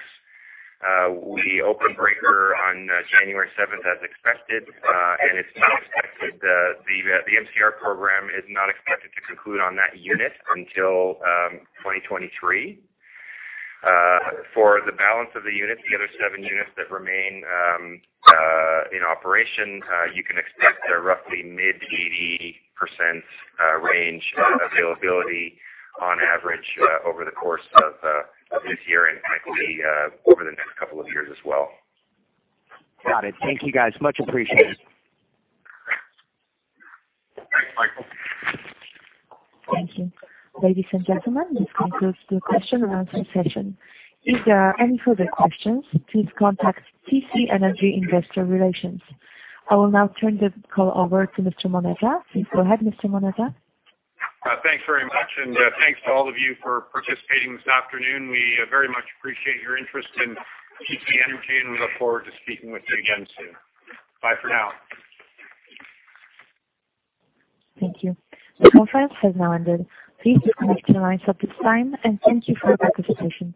we opened breaker on January 7th as expected. The MCR program is not expected to conclude on that unit until 2023. For the balance of the units, the other 7 units that remain in operation, you can expect a roughly mid-80% range availability on average over the course of this year and likely over the next couple of years as well. Got it. Thank you, guys. Much appreciated. Thanks, Michael. Thank you. Ladies and gentlemen, this concludes the question and answer session. If there are any further questions, please contact TC Energy Investor Relations. I will now turn the call over to Mr. Moneta. Please go ahead, Mr. Moneta. Thanks very much. Thanks to all of you for participating this afternoon. We very much appreciate your interest in TC Energy, and we look forward to speaking with you again soon. Bye for now. Thank you. The conference has now ended. Please disconnect your lines at this time, and thank you for your participation.